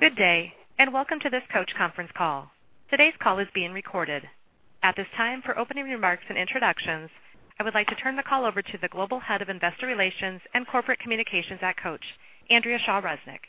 Good day, and welcome to this Coach conference call. Today's call is being recorded. At this time, for opening remarks and introductions, I would like to turn the call over to the Global Head of Investor Relations and Corporate Communications at Coach, Andrea Shaw Resnick.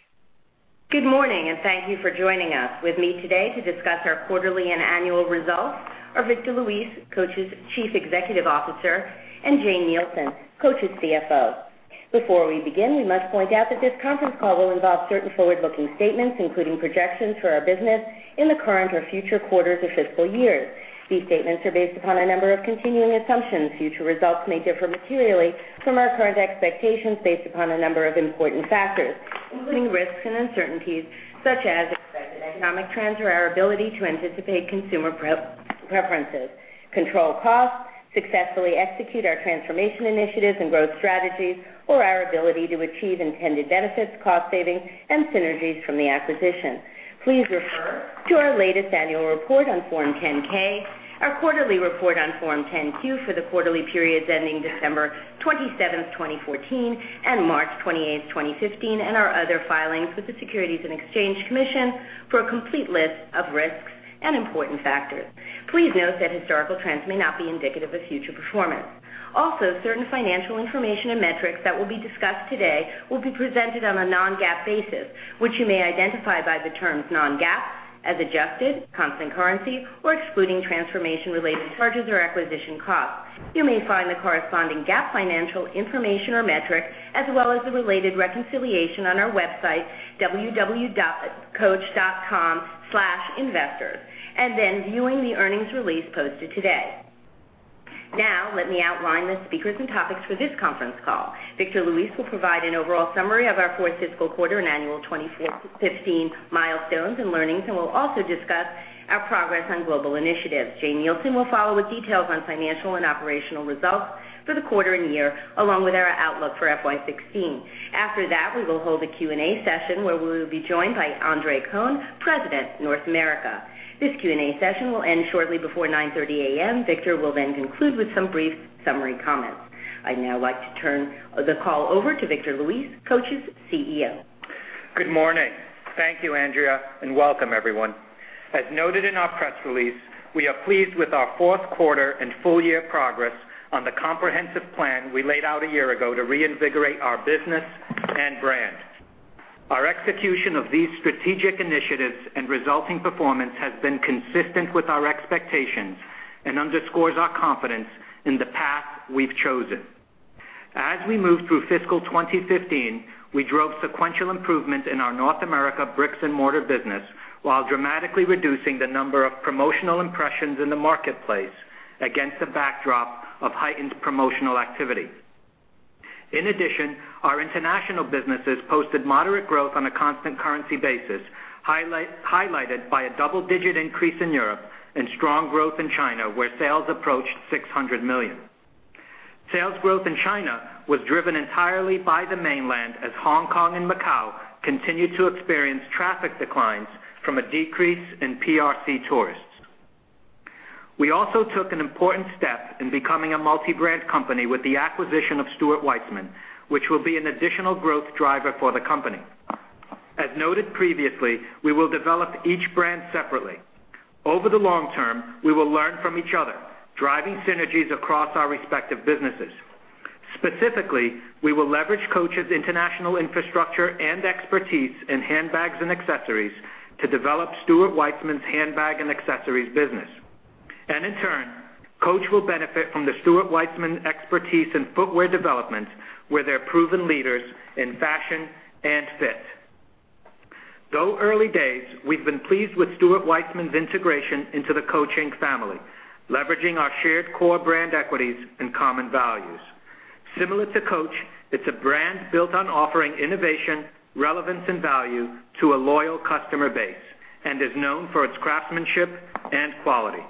Good morning, and thank you for joining us. With me today to discuss our quarterly and annual results are Victor Luis, Coach's Chief Executive Officer, and Jane Nielsen, Coach's CFO. Before we begin, we must point out that this conference call will involve certain forward-looking statements, including projections for our business in the current or future quarters or fiscal years. These statements are based upon a number of continuing assumptions. Future results may differ materially from our current expectations based upon a number of important factors, including risks and uncertainties such as expected economic trends or our ability to anticipate consumer preferences, control costs, successfully execute our transformation initiatives and growth strategies, or our ability to achieve intended benefits, cost savings, and synergies from the acquisition. Please refer to our latest annual report on Form 10-K, our quarterly report on Form 10-Q for the quarterly periods ending December 27, 2014, and March 28, 2015, and our other filings with the Securities and Exchange Commission for a complete list of risks and important factors. Please note that historical trends may not be indicative of future performance. Also, certain financial information and metrics that will be discussed today will be presented on a non-GAAP basis, which you may identify by the terms non-GAAP, as adjusted, constant currency, or excluding transformation-related charges or acquisition costs. You may find the corresponding GAAP financial information or metric, as well as the related reconciliation on our website, www.coach.com/investors, and then viewing the earnings release posted today. Now, let me outline the speakers and topics for this conference call. Victor Luis will provide an overall summary of our fourth fiscal quarter and annual 2015 milestones and learnings and will also discuss our progress on global initiatives. Jane Nielsen will follow with details on financial and operational results for the quarter and year, along with our outlook for FY 2016. After that, we will hold a Q&A session where we will be joined by Andre Cohen, President, North America. This Q&A session will end shortly before 9:30 A.M. Victor will then conclude with some brief summary comments. I'd now like to turn the call over to Victor Luis, Coach's CEO. Good morning. Thank you, Andrea, and welcome everyone. As noted in our press release, we are pleased with our fourth quarter and full-year progress on the comprehensive plan we laid out a year ago to reinvigorate our business and brand. Our execution of these strategic initiatives and resulting performance has been consistent with our expectations and underscores our confidence in the path we've chosen. As we moved through fiscal 2015, we drove sequential improvements in our North America bricks-and-mortar business while dramatically reducing the number of promotional impressions in the marketplace against the backdrop of heightened promotional activity. In addition, our international businesses posted moderate growth on a constant currency basis, highlighted by a double-digit increase in Europe and strong growth in China, where sales approached $600 million. Sales growth in China was driven entirely by the mainland as Hong Kong and Macau continued to experience traffic declines from a decrease in PRC tourists. We also took an important step in becoming a multi-brand company with the acquisition of Stuart Weitzman, which will be an additional growth driver for the company. As noted previously, we will develop each brand separately. Over the long term, we will learn from each other, driving synergies across our respective businesses. Specifically, we will leverage Coach's international infrastructure and expertise in handbags and accessories to develop Stuart Weitzman's handbag and accessories business. In turn, Coach will benefit from the Stuart Weitzman expertise in footwear development, where they're proven leaders in fashion and fit. Though early days, we've been pleased with Stuart Weitzman's integration into the Coach family, leveraging our shared core brand equities and common values. Similar to Coach, it's a brand built on offering innovation, relevance, and value to a loyal customer base and is known for its craftsmanship and quality.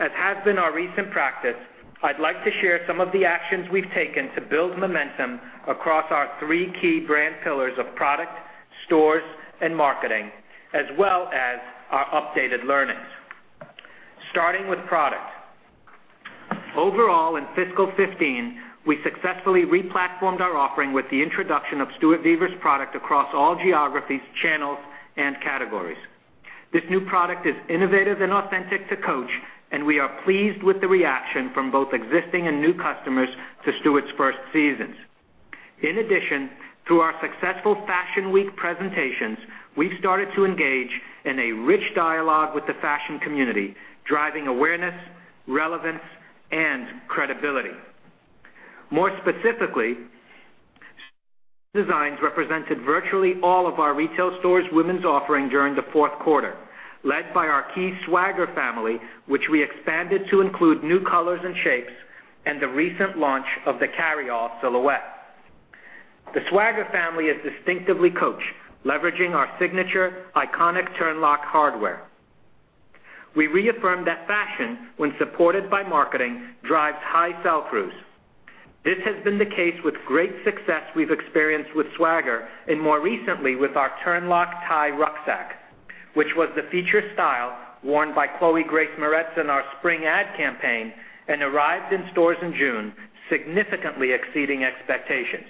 As has been our recent practice, I'd like to share some of the actions we've taken to build momentum across our three key brand pillars of product, stores, and marketing, as well as our updated learnings. Starting with product. Overall, in fiscal 2015, we successfully re-platformed our offering with the introduction of Stuart Vevers' product across all geographies, channels, and categories. This new product is innovative and authentic to Coach, and we are pleased with the reaction from both existing and new customers to Stuart's first seasons. In addition, through our successful Fashion Week presentations, we've started to engage in a rich dialogue with the fashion community, driving awareness, relevance, and credibility. More specifically, designs represented virtually all of our retail stores' women's offering during the fourth quarter, led by our key Swagger family, which we expanded to include new colors and shapes and the recent launch of the Carryall silhouette. The Swagger family is distinctively Coach, leveraging our signature iconic turnlock hardware. We reaffirm that fashion, when supported by marketing, drives high sell-throughs. This has been the case with great success we've experienced with Swagger and more recently with our Turnlock Tie rucksack. It was the feature style worn by Chloë Grace Moretz in our spring ad campaign and arrived in stores in June, significantly exceeding expectations.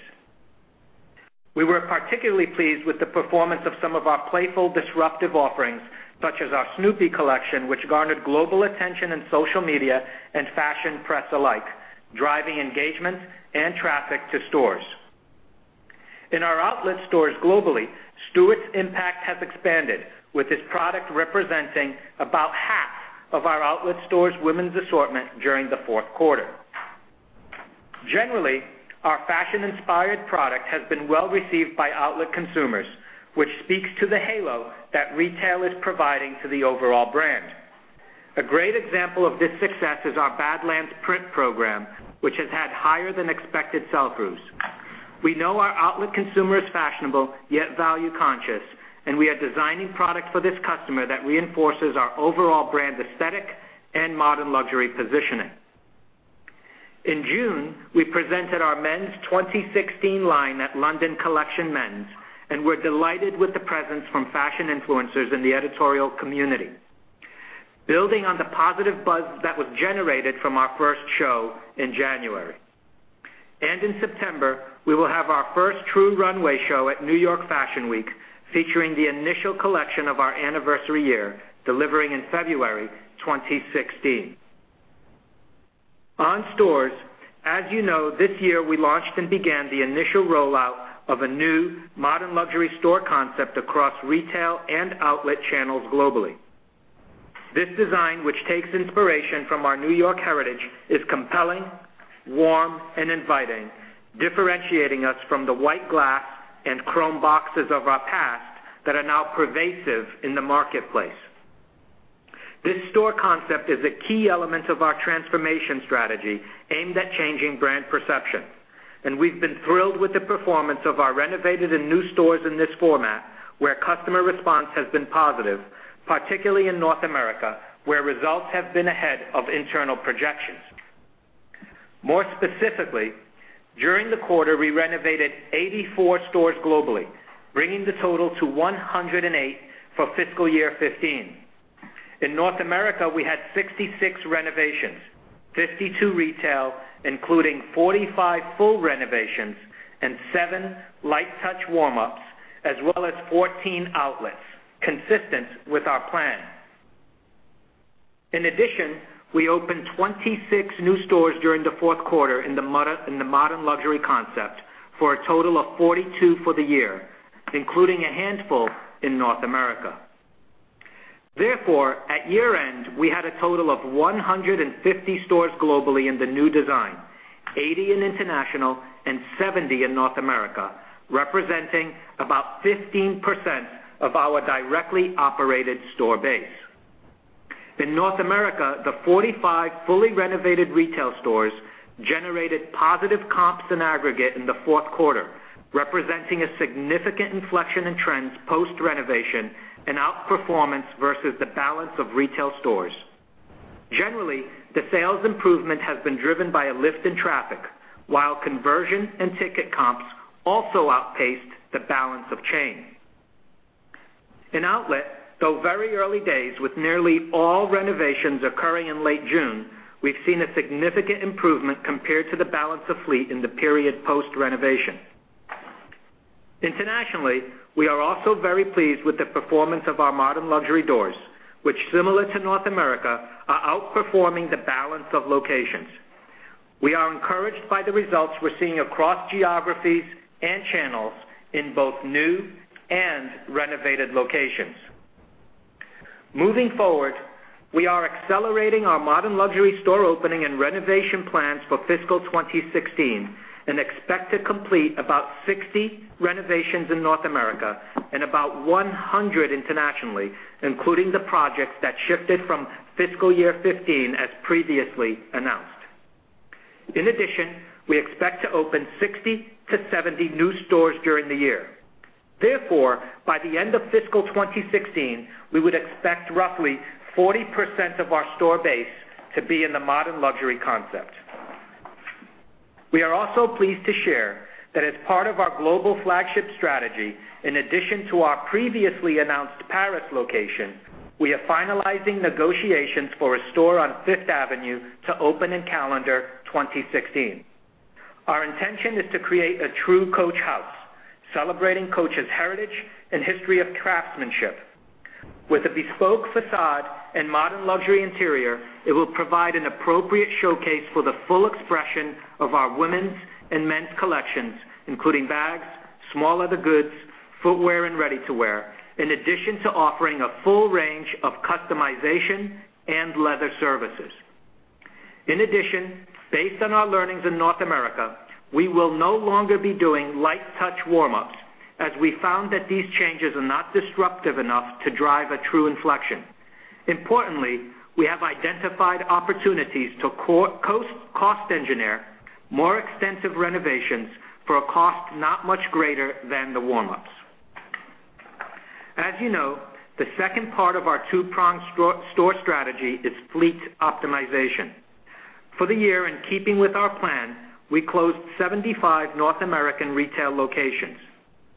We were particularly pleased with the performance of some of our playful, disruptive offerings, such as our Snoopy collection, which garnered global attention in social media and fashion press alike, driving engagement and traffic to stores. In our outlet stores globally, Stuart's impact has expanded, with his product representing about half of our outlet stores' women's assortment during the fourth quarter. Generally, our fashion-inspired product has been well-received by outlet consumers, which speaks to the halo that retail is providing to the overall brand. A great example of this success is our Badlands print program, which has had higher-than-expected sell-throughs. We know our outlet consumer is fashionable, yet value-conscious, and we are designing products for this customer that reinforces our overall brand aesthetic and modern luxury positioning. In June, we presented our men's 2016 line at London Collections: Men and were delighted with the presence from fashion influencers in the editorial community, building on the positive buzz that was generated from our first show in January. In September, we will have our first true runway show at New York Fashion Week, featuring the initial collection of our anniversary year, delivering in February 2016. On stores, as you know, this year we launched and began the initial rollout of a new modern luxury store concept across retail and outlet channels globally. This design, which takes inspiration from our New York heritage, is compelling, warm, and inviting, differentiating us from the white glass and chrome boxes of our past that are now pervasive in the marketplace. This store concept is a key element of our transformation strategy aimed at changing brand perception, and we've been thrilled with the performance of our renovated and new stores in this format where customer response has been positive, particularly in North America, where results have been ahead of internal projections. More specifically, during the quarter, we renovated 84 stores globally, bringing the total to 108 for fiscal year 2015. In North America, we had 66 renovations, 52 retail, including 45 full renovations and seven light-touch warm-ups, as well as 14 outlets, consistent with our plan. In addition, we opened 26 new stores during the fourth quarter in the modern luxury concept for a total of 42 for the year, including a handful in North America. Therefore, at year-end, we had a total of 150 stores globally in the new design, 80 in international and 70 in North America, representing about 15% of our directly operated store base. In North America, the 45 fully renovated retail stores generated positive comps in aggregate in the fourth quarter, representing a significant inflection in trends post-renovation and outperformance versus the balance of retail stores. Generally, the sales improvement has been driven by a lift in traffic, while conversion and ticket comps also outpaced the balance of chain. In outlet, though very early days with nearly all renovations occurring in late June, we've seen a significant improvement compared to the balance of fleet in the period post-renovation. Internationally, we are also very pleased with the performance of our modern luxury doors, which similar to North America, are outperforming the balance of locations. We are encouraged by the results we're seeing across geographies and channels in both new and renovated locations. Moving forward, we are accelerating our modern luxury store opening and renovation plans for fiscal 2016 and expect to complete about 60 renovations in North America and about 100 internationally, including the projects that shifted from fiscal year 2015, as previously announced. In addition, we expect to open 60 to 70 new stores during the year. Therefore, by the end of fiscal 2016, we would expect roughly 40% of our store base to be in the modern luxury concept. We are also pleased to share that as part of our global flagship strategy, in addition to our previously announced Paris location, we are finalizing negotiations for a store on Fifth Avenue to open in calendar 2016. Our intention is to create a true Coach house, celebrating Coach's heritage and history of craftsmanship. With a bespoke facade and modern luxury interior, it will provide an appropriate showcase for the full expression of our women's and men's collections, including bags, small leather goods, footwear, and ready-to-wear, in addition to offering a full range of customization and leather services. In addition, based on our learnings in North America, we will no longer be doing light-touch warm-ups as we found that these changes are not disruptive enough to drive a true inflection. Importantly, we have identified opportunities to cost engineer more extensive renovations for a cost not much greater than the warm-ups. As you know, the second part of our two-pronged store strategy is fleet optimization. For the year, in keeping with our plan, we closed 75 North American retail locations.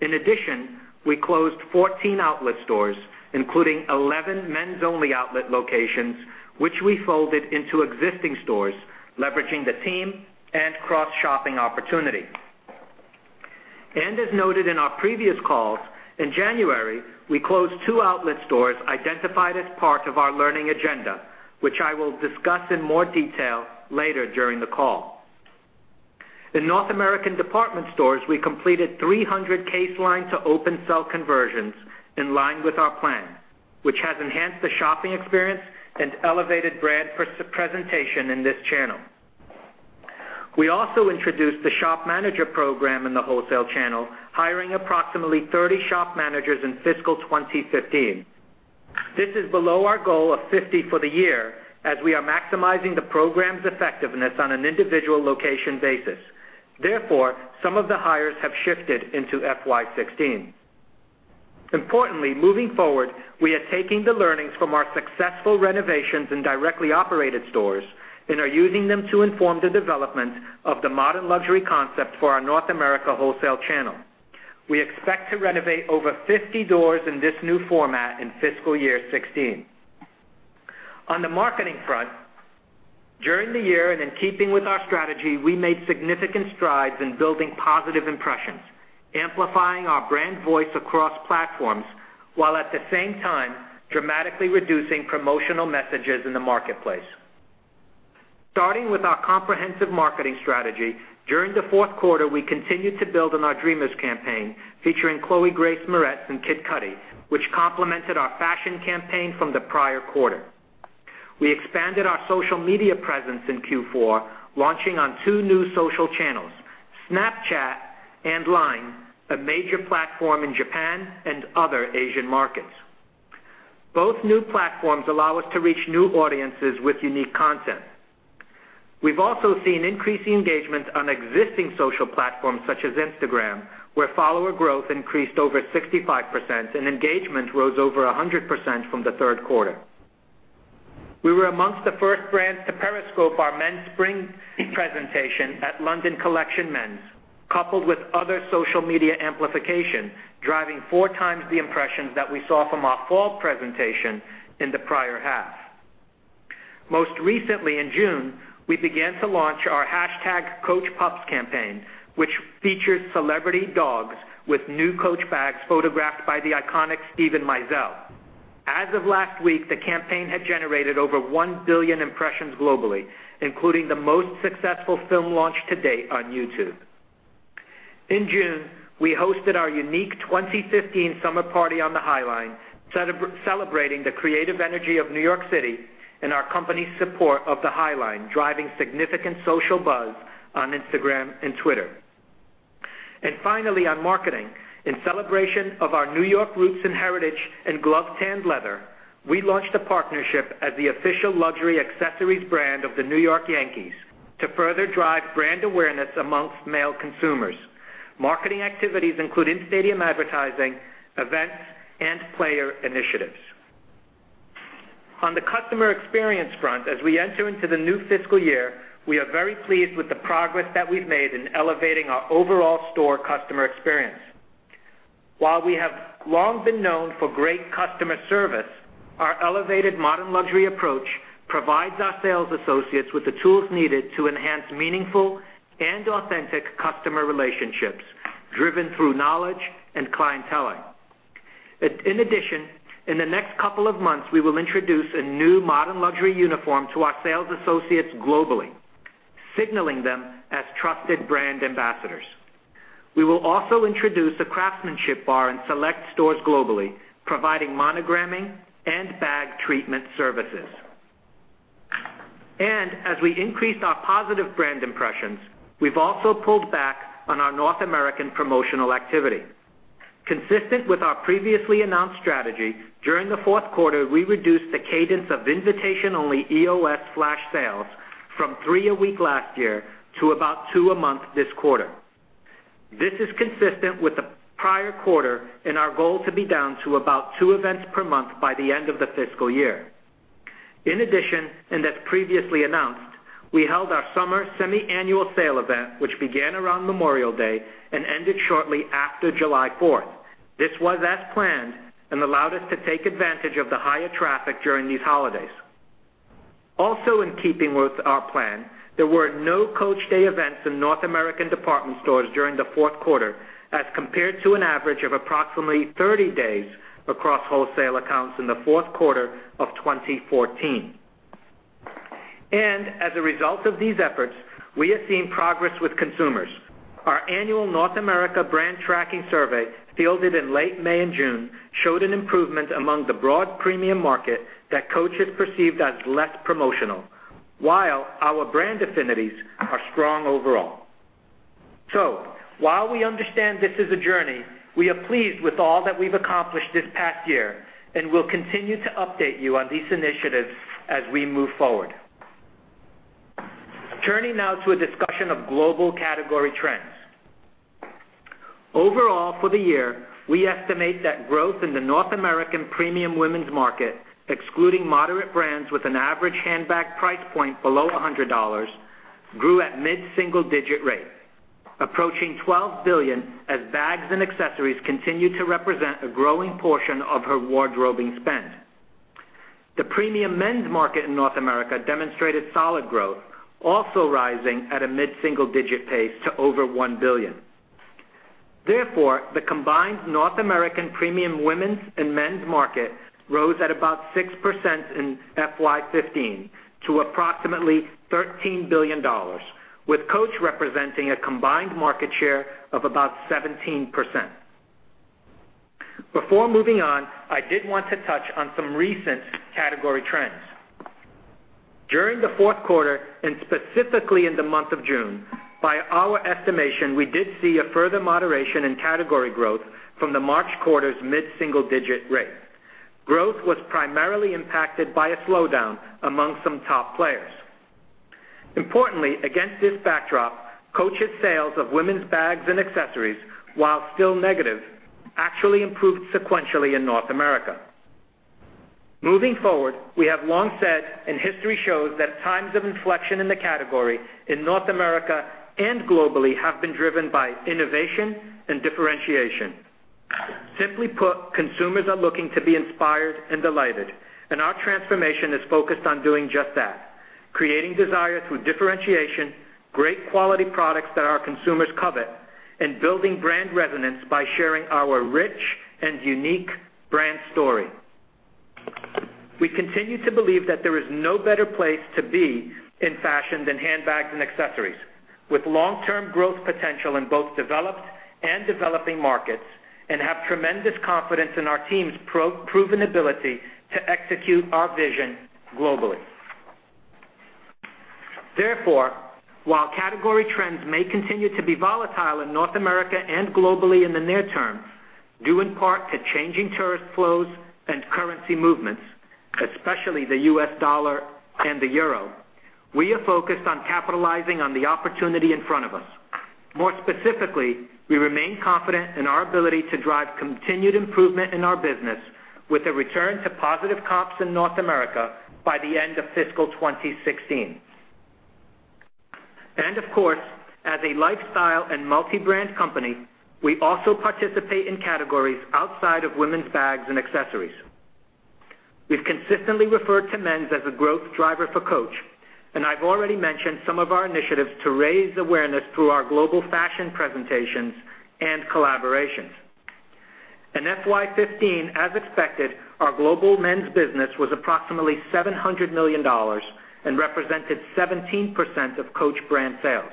In addition, we closed 14 outlet stores, including 11 men's only outlet locations, which we folded into existing stores, leveraging the team and cross-shopping opportunity. As noted in our previous calls, in January, we closed two outlet stores identified as part of our learning agenda, which I will discuss in more detail later during the call. In North American department stores, we completed 300 case line to open-sell conversions in line with our plan, which has enhanced the shopping experience and elevated brand presentation in this channel. We also introduced the shop manager program in the wholesale channel, hiring approximately 30 shop managers in fiscal 2015. This is below our goal of 50 for the year, as we are maximizing the program's effectiveness on an individual location basis. Therefore, some of the hires have shifted into FY 2016. Importantly, moving forward, we are taking the learnings from our successful renovations in directly operated stores and are using them to inform the development of the modern luxury concept for our North America wholesale channel. We expect to renovate over 50 doors in this new format in fiscal year 2016. On the marketing front, during the year and in keeping with our strategy, we made significant strides in building positive impressions, amplifying our brand voice across platforms, while at the same time dramatically reducing promotional messages in the marketplace. Starting with our comprehensive marketing strategy, during the fourth quarter, we continued to build on our Dreamers campaign featuring Chloë Grace Moretz and Kid Cudi, which complemented our fashion campaign from the prior quarter. We expanded our social media presence in Q4, launching on two new social channels, Snapchat and Line, a major platform in Japan and other Asian markets. Both new platforms allow us to reach new audiences with unique content. We've also seen increasing engagement on existing social platforms such as Instagram, where follower growth increased over 65% and engagement rose over 100% from the third quarter. We were amongst the first brands to Periscope our men's spring presentation at London Collections: Men, coupled with other social media amplification, driving four times the impressions that we saw from our fall presentation in the prior half. Most recently in June, we began to launch our #coachpups campaign, which features celebrity dogs with new Coach bags photographed by the iconic Steven Meisel. As of last week, the campaign had generated over 1 billion impressions globally, including the most successful film launch to date on YouTube. In June, we hosted our unique 2015 summer party on the High Line, celebrating the creative energy of New York City and our company's support of the High Line, driving significant social buzz on Instagram and Twitter. Finally, on marketing, in celebration of our New York roots and heritage in glove-tanned leather, we launched a partnership as the official luxury accessories brand of the New York Yankees to further drive brand awareness amongst male consumers. Marketing activities include in-stadium advertising, events, and player initiatives. On the customer experience front, as we enter into the new fiscal year, we are very pleased with the progress that we've made in elevating our overall store customer experience. While we have long been known for great customer service, our elevated modern luxury approach provides our sales associates with the tools needed to enhance meaningful and authentic customer relationships driven through knowledge and clienteling. In addition, in the next couple of months, we will introduce a new modern luxury uniform to our sales associates globally, signaling them as trusted brand ambassadors. We will also introduce a craftsmanship bar in select stores globally, providing monogramming and bag treatment services. As we increase our positive brand impressions, we've also pulled back on our North American promotional activity. Consistent with our previously announced strategy, during the fourth quarter, we reduced the cadence of invitation-only EOS flash sales from three a week last year to about two a month this quarter. This is consistent with the prior quarter and our goal to be down to about two events per month by the end of the fiscal year. In addition, as previously announced, we held our summer semiannual sale event, which began around Memorial Day and ended shortly after July 4th. This was as planned and allowed us to take advantage of the higher traffic during these holidays. Also, in keeping with our plan, there were no Coach Day events in North American department stores during the fourth quarter as compared to an average of approximately 30 days across wholesale accounts in the fourth quarter of 2014. As a result of these efforts, we have seen progress with consumers. Our annual North America brand tracking survey, fielded in late May and June, showed an improvement among the broad premium market that Coach is perceived as less promotional, while our brand affinities are strong overall. While we understand this is a journey, we are pleased with all that we've accomplished this past year, and we'll continue to update you on these initiatives as we move forward. Turning now to a discussion of global category trends. Overall, for the year, we estimate that growth in the North American premium women's market, excluding moderate brands with an average handbag price point below $100, grew at mid-single-digit rate, approaching $12 billion as bags and accessories continue to represent a growing portion of her wardrobing spend. The premium men's market in North America demonstrated solid growth, also rising at a mid-single-digit pace to over $1 billion. Therefore, the combined North American premium women's and men's market rose at about 6% in FY 2015 to approximately $13 billion, with Coach representing a combined market share of about 17%. Before moving on, I did want to touch on some recent category trends. During the fourth quarter, and specifically in the month of June, by our estimation, we did see a further moderation in category growth from the March quarter's mid-single-digit rate. Growth was primarily impacted by a slowdown among some top players. Importantly, against this backdrop, Coach's sales of women's bags and accessories, while still negative, actually improved sequentially in North America. Moving forward, we have long said, and history shows that times of inflection in the category in North America and globally have been driven by innovation and differentiation. Simply put, consumers are looking to be inspired and delighted, Our transformation is focused on doing just that: creating desire through differentiation, great quality products that our consumers covet, and building brand resonance by sharing our rich and unique brand story. We continue to believe that there is no better place to be in fashion than handbags and accessories, with long-term growth potential in both developed and developing markets, and have tremendous confidence in our team's proven ability to execute our vision globally. Therefore, while category trends may continue to be volatile in North America and globally in the near term, due in part to changing tourist flows and currency movements, especially the U.S. dollar and the euro, we are focused on capitalizing on the opportunity in front of us. More specifically, we remain confident in our ability to drive continued improvement in our business with a return to positive comps in North America by the end of fiscal 2016. Of course, as a lifestyle and multi-brand company, we also participate in categories outside of women's bags and accessories. We've consistently referred to men's as a growth driver for Coach, and I've already mentioned some of our initiatives to raise awareness through our global fashion presentations and collaborations. In FY 2015, as expected, our global men's business was approximately $700 million and represented 17% of Coach brand sales.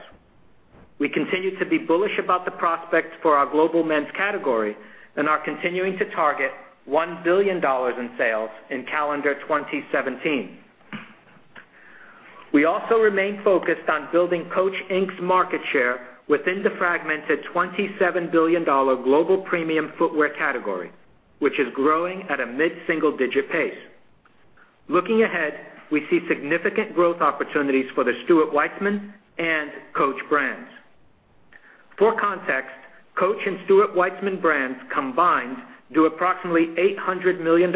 We continue to be bullish about the prospects for our global men's category and are continuing to target $1 billion in sales in calendar 2017. We also remain focused on building Coach, Inc.'s market share within the fragmented $27 billion global premium footwear category, which is growing at a mid-single-digit pace. Looking ahead, we see significant growth opportunities for the Stuart Weitzman and Coach brands. For context, Coach and Stuart Weitzman brands combined do approximately $800 million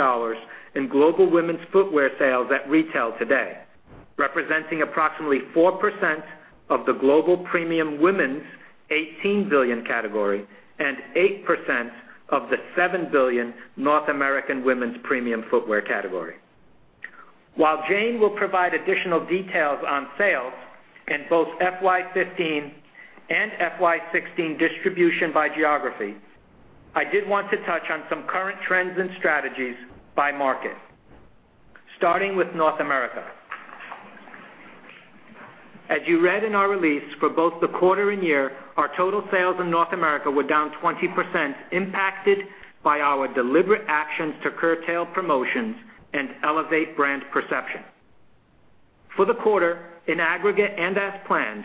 in global women's footwear sales at retail today, representing approximately 4% of the global premium women's $18 billion category and 8% of the $7 billion North American women's premium footwear category. While Jane will provide additional details on sales in both FY 2015 and FY 2016 distribution by geography, I did want to touch on some current trends and strategies by market, starting with North America. As you read in our release, for both the quarter and year, our total sales in North America were down 20%, impacted by our deliberate actions to curtail promotions and elevate brand perception. For the quarter, in aggregate and as planned,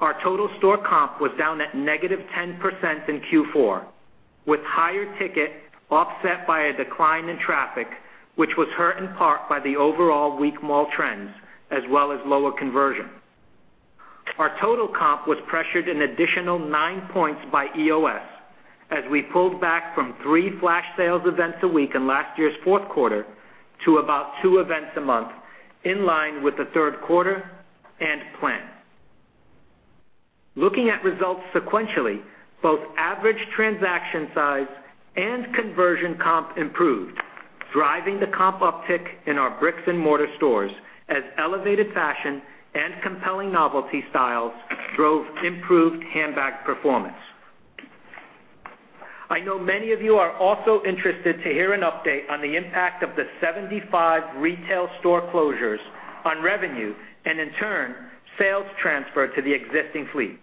our total store comp was down at negative 10% in Q4, with higher ticket offset by a decline in traffic, which was hurt in part by the overall weak mall trends as well as lower conversion. Our total comp was pressured an additional nine points by EOS, as we pulled back from three flash sales events a week in last year's fourth quarter to about two events a month, in line with the third quarter and plan. Looking at results sequentially, both average transaction size and conversion comp improved, driving the comp uptick in our bricks-and-mortar stores as elevated fashion and compelling novelty styles drove improved handbag performance. I know many of you are also interested to hear an update on the impact of the 75 retail store closures on revenue and in turn, sales transfer to the existing fleet.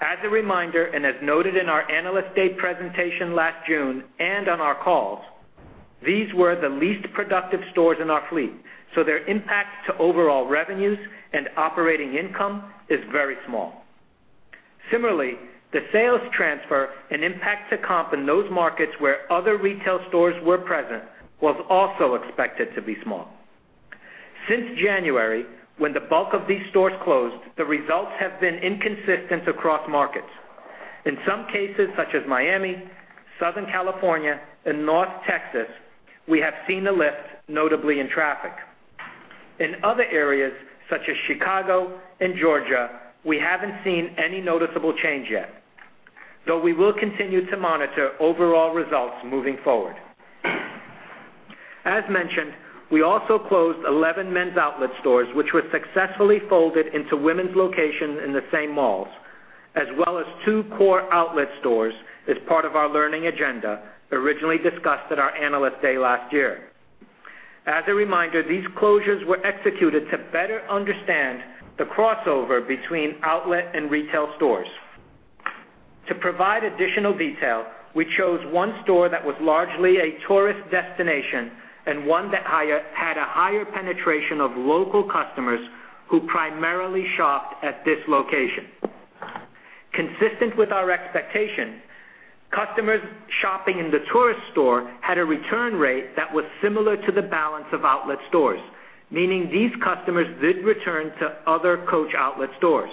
As a reminder, as noted in our Analyst Day presentation last June and on our calls, these were the least productive stores in our fleet, so their impact to overall revenues and operating income is very small. Similarly, the sales transfer and impact to comp in those markets where other retail stores were present was also expected to be small. Since January, when the bulk of these stores closed, the results have been inconsistent across markets. In some cases, such as Miami, Southern California, and North Texas, we have seen a lift, notably in traffic. In other areas such as Chicago and Georgia, we haven't seen any noticeable change yet, though we will continue to monitor overall results moving forward. As mentioned, we also closed 11 men's outlet stores, which were successfully folded into women's locations in the same malls, as well as two core outlet stores as part of our learning agenda originally discussed at our Analyst Day last year. As a reminder, these closures were executed to better understand the crossover between outlet and retail stores. To provide additional detail, we chose one store that was largely a tourist destination and one that had a higher penetration of local customers who primarily shopped at this location. Consistent with our expectation, customers shopping in the tourist store had a return rate that was similar to the balance of outlet stores, meaning these customers did return to other Coach outlet stores.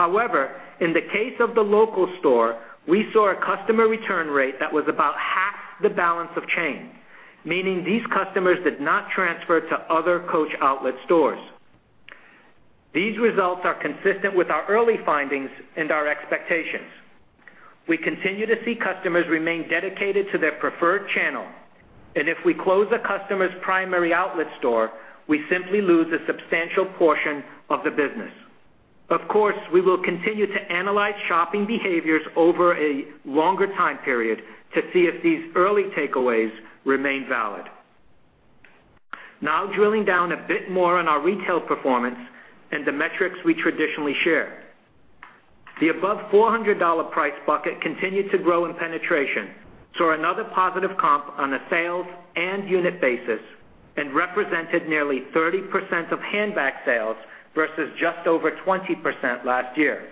In the case of the local store, we saw a customer return rate that was about half the balance of chain, meaning these customers did not transfer to other Coach outlet stores. These results are consistent with our early findings and our expectations. We continue to see customers remain dedicated to their preferred channel, and if we close a customer's primary outlet store, we simply lose a substantial portion of the business. Of course, we will continue to analyze shopping behaviors over a longer time period to see if these early takeaways remain valid. Now, drilling down a bit more on our retail performance and the metrics we traditionally share. The above $400 price bucket continued to grow in penetration, saw another positive comp on a sales and unit basis, and represented nearly 30% of handbag sales versus just over 20% last year.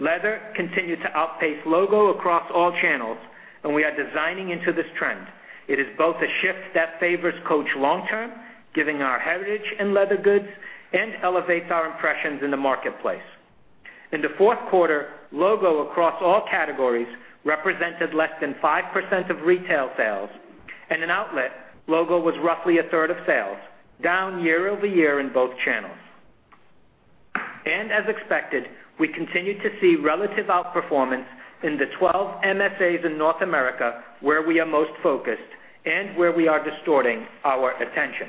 Leather continued to outpace logo across all channels, and we are designing into this trend. It is both a shift that favors Coach long term, giving our heritage in leather goods, and elevates our impressions in the marketplace. In the fourth quarter, logo across all categories represented less than 5% of retail sales, and in outlet, logo was roughly a third of sales, down year-over-year in both channels. As expected, we continued to see relative outperformance in the 12 MFAs in North America, where we are most focused and where we are distorting our attention.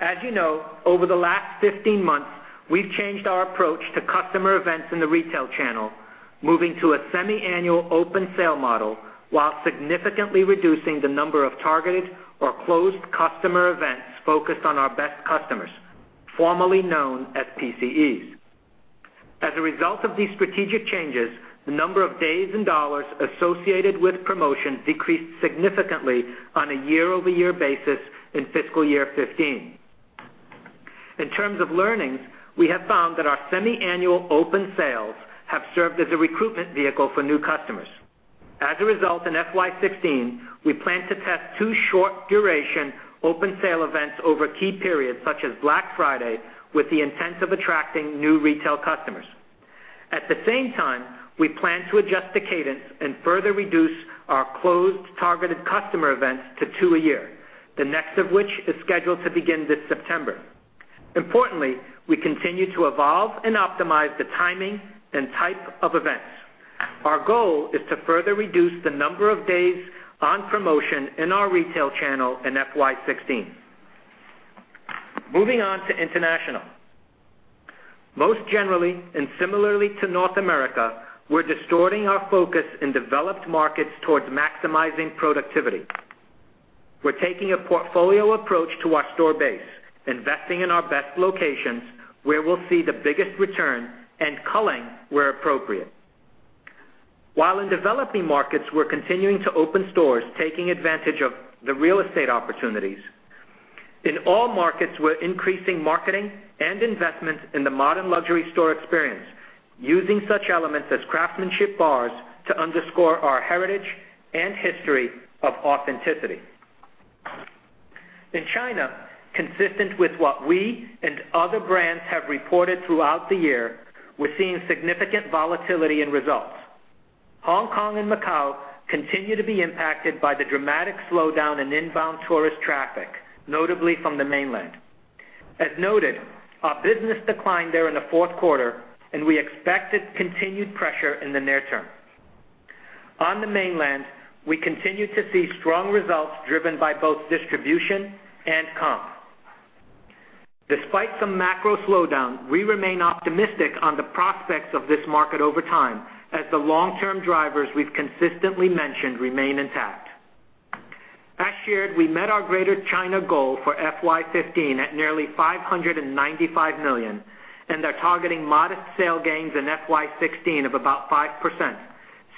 As you know, over the last 15 months, we've changed our approach to customer events in the retail channel, moving to a semi-annual open sale model while significantly reducing the number of targeted or closed customer events focused on our best customers, formerly known as PCEs. As a result of these strategic changes, the number of days and dollars associated with promotion decreased significantly on a year-over-year basis in fiscal year 2015. In terms of learnings, we have found that our semi-annual open sales have served as a recruitment vehicle for new customers. As a result, in FY 2016, we plan to test two short-duration open sale events over key periods such as Black Friday with the intent of attracting new retail customers. At the same time, we plan to adjust the cadence and further reduce our closed targeted customer events to two a year, the next of which is scheduled to begin this September. Importantly, we continue to evolve and optimize the timing and type of events. Our goal is to further reduce the number of days on promotion in our retail channel in FY 2016. Moving on to international. Most generally and similarly to North America, we're distorting our focus in developed markets towards maximizing productivity. We're taking a portfolio approach to our store base, investing in our best locations where we'll see the biggest return, and culling where appropriate. While in developing markets, we're continuing to open stores, taking advantage of the real estate opportunities. In all markets, we're increasing marketing and investment in the modern luxury store experience, using such elements as craftsmanship bars to underscore our heritage and history of authenticity. In China, consistent with what we and other brands have reported throughout the year, we're seeing significant volatility in results. Hong Kong and Macau continue to be impacted by the dramatic slowdown in inbound tourist traffic, notably from the Mainland. As noted, our business declined there in the fourth quarter, and we expected continued pressure in the near term. On the Mainland, we continue to see strong results driven by both distribution and comp. Despite some macro slowdown, we remain optimistic on the prospects of this market over time as the long-term drivers we've consistently mentioned remain intact. As shared, we met our Greater China goal for FY 2015 at nearly $595 million and are targeting modest sale gains in FY 2016 of about 5%,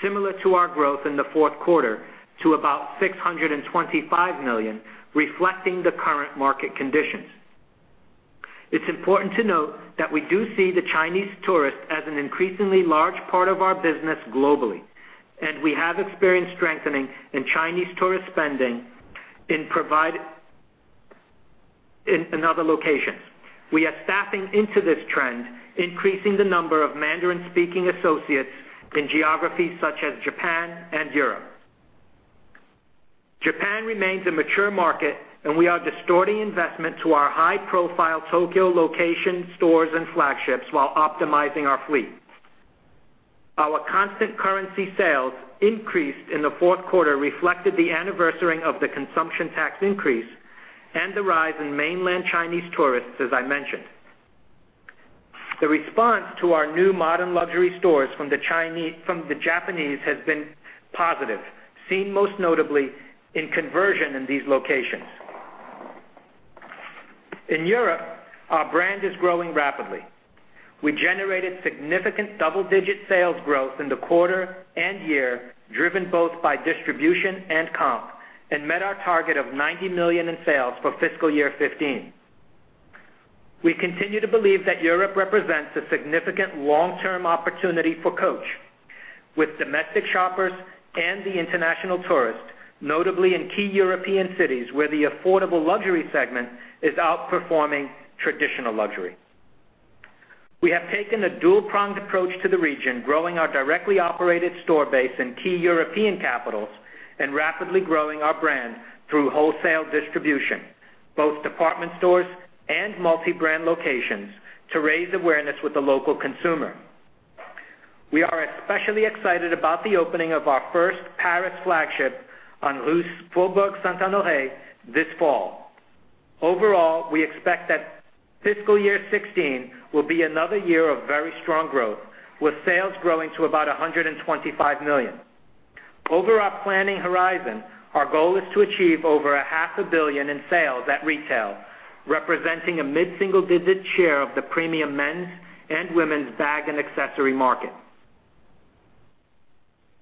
similar to our growth in the fourth quarter to about $625 million, reflecting the current market conditions. It's important to note that we do see the Chinese tourist as an increasingly large part of our business globally, and we have experienced strengthening in Chinese tourist spending in other locations. We are staffing into this trend, increasing the number of Mandarin-speaking associates in geographies such as Japan and Europe. Japan remains a mature market. We are distorting investment to our high-profile Tokyo location stores and flagships while optimizing our fleet. Our constant currency sales increase in the fourth quarter reflected the anniversary of the consumption tax increase and the rise in mainland Chinese tourists, as I mentioned. The response to our new modern luxury stores from the Japanese has been positive, seen most notably in conversion in these locations. In Europe, our brand is growing rapidly. We generated significant double-digit sales growth in the quarter and year, driven both by distribution and comp. We met our target of $90 million in sales for fiscal year 2015. We continue to believe that Europe represents a significant long-term opportunity for Coach, with domestic shoppers and the international tourist, notably in key European cities where the affordable luxury segment is outperforming traditional luxury. We have taken a dual-pronged approach to the region, growing our directly operated store base in key European capitals and rapidly growing our brand through wholesale distribution, both department stores and multi-brand locations, to raise awareness with the local consumer. We are especially excited about the opening of our first Paris flagship on Rue du Faubourg Saint-Honoré this fall. Overall, we expect that fiscal year 2016 will be another year of very strong growth, with sales growing to about $125 million. Over our planning horizon, our goal is to achieve over a half a billion in sales at retail, representing a mid-single-digit share of the premium men's and women's bag and accessory market.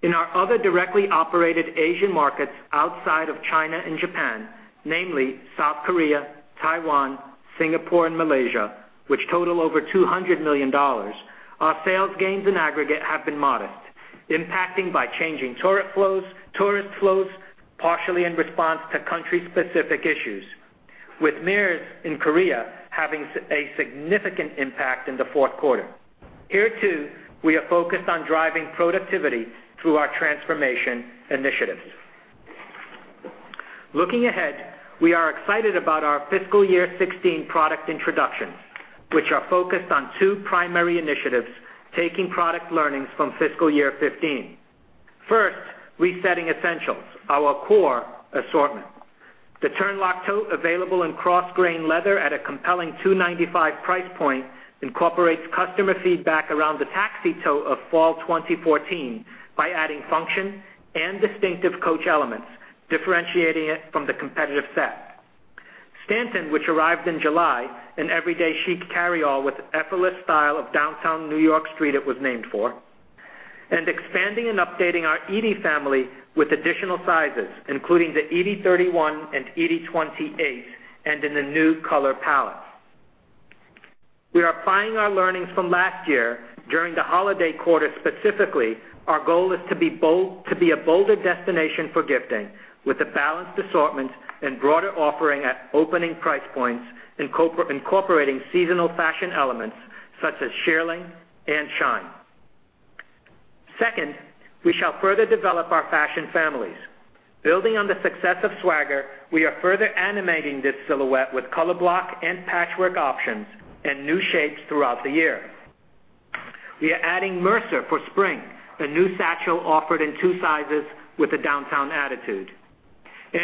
In our other directly operated Asian markets outside of China and Japan, namely South Korea, Taiwan, Singapore, and Malaysia, which total over $200 million, our sales gains in aggregate have been modest, impacting by changing tourist flows, partially in response to country-specific issues, with MERS in Korea having a significant impact in the fourth quarter. Here too, we are focused on driving productivity through our transformation initiatives. Looking ahead, we are excited about our fiscal year 2016 product introductions, which are focused on two primary initiatives taking product learnings from fiscal year 2015. First, resetting essentials, our core assortment. The Turnlock tote, available in cross-grain leather at a compelling $295 price point, incorporates customer feedback around the Taxi tote of fall 2014 by adding function and distinctive Coach elements, differentiating it from the competitive set. Stanton, which arrived in July, an everyday chic carryall with the effortless style of the downtown New York street it was named for, expanding and updating our Edie family with additional sizes, including the Edie 31 and Edie 28, and in the new color palette. We are applying our learnings from last year during the holiday quarter. Specifically, our goal is to be a bolder destination for gifting with a balanced assortment and broader offering at opening price points, incorporating seasonal fashion elements such as shearling and shine. Second, we shall further develop our fashion families. Building on the success of Swagger, we are further animating this silhouette with color block and patchwork options and new shapes throughout the year. We are adding Mercer for spring, a new satchel offered in two sizes with a downtown attitude.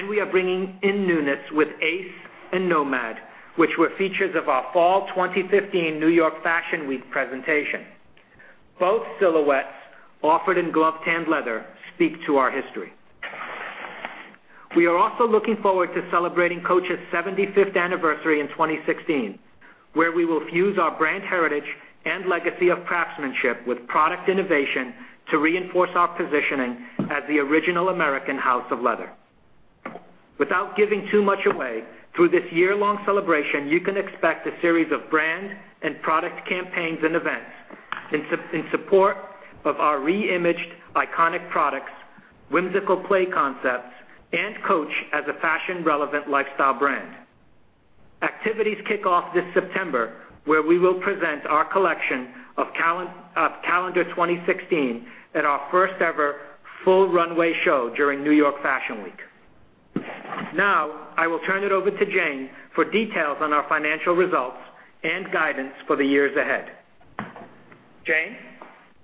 We are bringing in newness with Ace and Nomad, which were features of our fall 2015 New York Fashion Week presentation. Both silhouettes, offered in gloved tanned leather, speak to our history. We are also looking forward to celebrating Coach's 75th anniversary in 2016, where we will fuse our brand heritage and legacy of craftsmanship with product innovation to reinforce our positioning as the original American house of leather. Without giving too much away, through this year-long celebration, you can expect a series of brand and product campaigns and events in support of our re-imaged iconic products, whimsical play concepts, and Coach as a fashion-relevant lifestyle brand. Activities kick off this September, where we will present our collection of calendar 2016 at our first-ever full runway show during New York Fashion Week. I will turn it over to Jane for details on our financial results and guidance for the years ahead. Jane?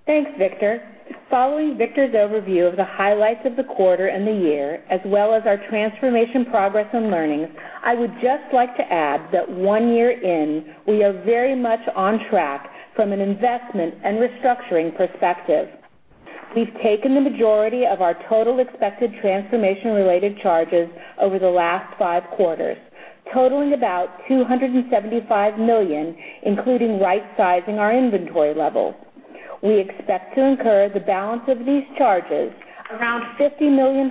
Thanks, Victor. Following Victor's overview of the highlights of the quarter and the year, as well as our transformation progress and learnings, I would just like to add that one year in, we are very much on track from an investment and restructuring perspective. We've taken the majority of our total expected transformation-related charges over the last five quarters, totaling about $275 million, including right-sizing our inventory level. We expect to incur the balance of these charges, around $50 million,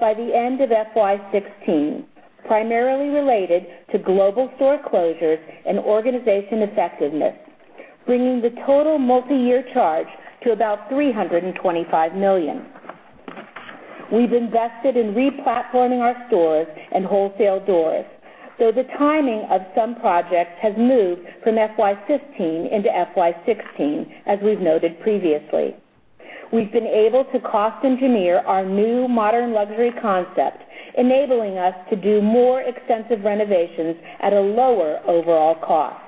by the end of FY 2016, primarily related to global store closures and organization effectiveness, bringing the total multi-year charge to about $325 million. We've invested in re-platforming our stores and wholesale doors. The timing of some projects has moved from FY 2015 into FY 2016, as we've noted previously. We've been able to cost engineer our new modern luxury concept, enabling us to do more extensive renovations at a lower overall cost.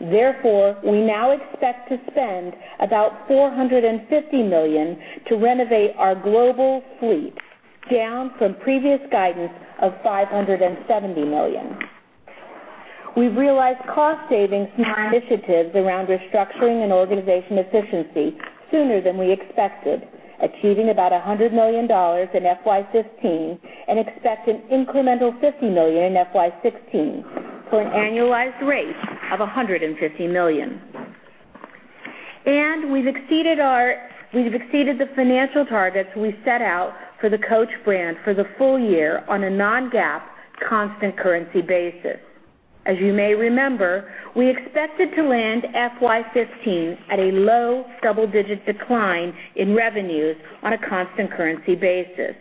We now expect to spend about $450 million to renovate our global fleet, down from previous guidance of $570 million. We've realized cost savings from our initiatives around restructuring and organization efficiency sooner than we expected, achieving about $100 million in FY 2015 and expect an incremental $50 million in FY 2016 for an annualized rate of $150 million. We've exceeded the financial targets we set out for the Coach brand for the full year on a non-GAAP constant currency basis. As you may remember, we expected to land FY 2015 at a low double-digit decline in revenues on a constant currency basis.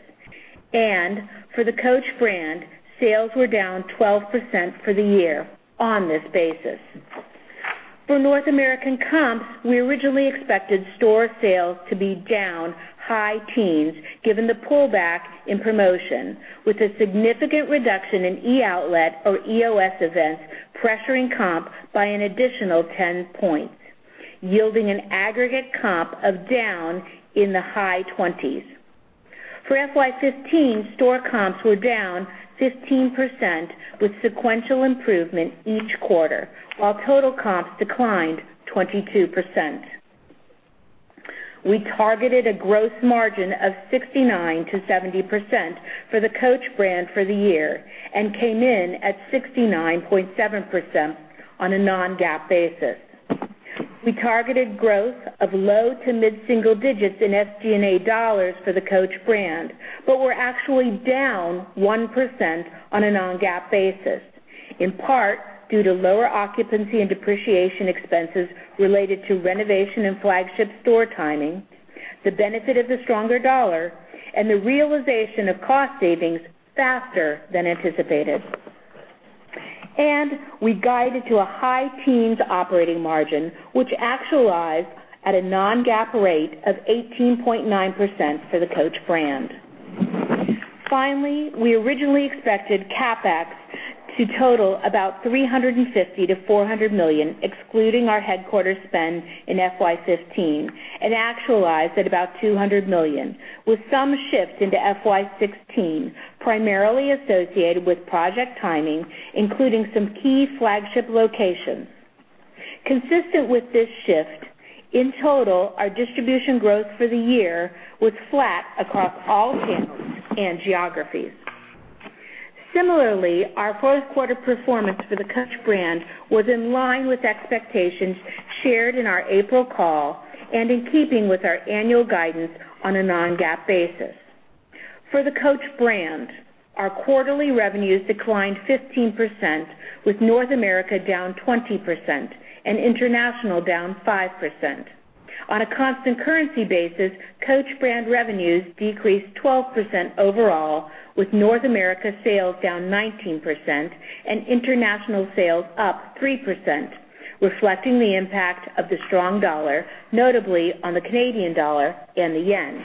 For the Coach brand, sales were down 12% for the year on this basis. For North American comps, we originally expected store sales to be down high teens, given the pullback in promotion, with a significant reduction in e-outlet or EOS events pressuring comp by an additional 10 points, yielding an aggregate comp of down in the high 20s. For FY 2015, store comps were down 15% with sequential improvement each quarter, while total comps declined 22%. We targeted a gross margin of 69%-70% for the Coach brand for the year and came in at 69.7% on a non-GAAP basis. We targeted growth of low to mid-single digits in SG&A dollars for the Coach brand, but were actually down 1% on a non-GAAP basis, in part due to lower occupancy and depreciation expenses related to renovation and flagship store timing, the benefit of the stronger dollar, and the realization of cost savings faster than anticipated. We guided to a high teens operating margin, which actualized at a non-GAAP rate of 18.9% for the Coach brand. Finally, we originally expected CapEx to total about $350 million-$400 million, excluding our headquarter spend in FY 2015, and actualized at about $200 million, with some shift into FY 2016, primarily associated with project timing, including some key flagship locations. Consistent with this shift, in total, our distribution growth for the year was flat across all channels and geographies. Similarly, our fourth quarter performance for the Coach brand was in line with expectations shared in our April call and in keeping with our annual guidance on a non-GAAP basis. For the Coach brand, our quarterly revenues declined 15%, with North America down 20% and international down 5%. On a constant currency basis, Coach brand revenues decreased 12% overall, with North America sales down 19% and international sales up 3%, reflecting the impact of the strong dollar, notably on the Canadian dollar and the yen.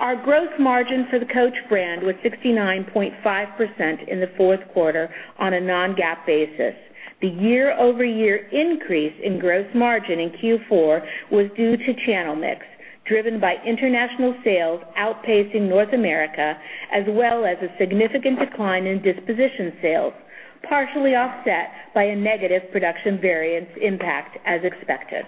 Our gross margin for the Coach brand was 69.5% in the fourth quarter on a non-GAAP basis. The year-over-year increase in gross margin in Q4 was due to channel mix, driven by international sales outpacing North America, as well as a significant decline in disposition sales, partially offset by a negative production variance impact as expected.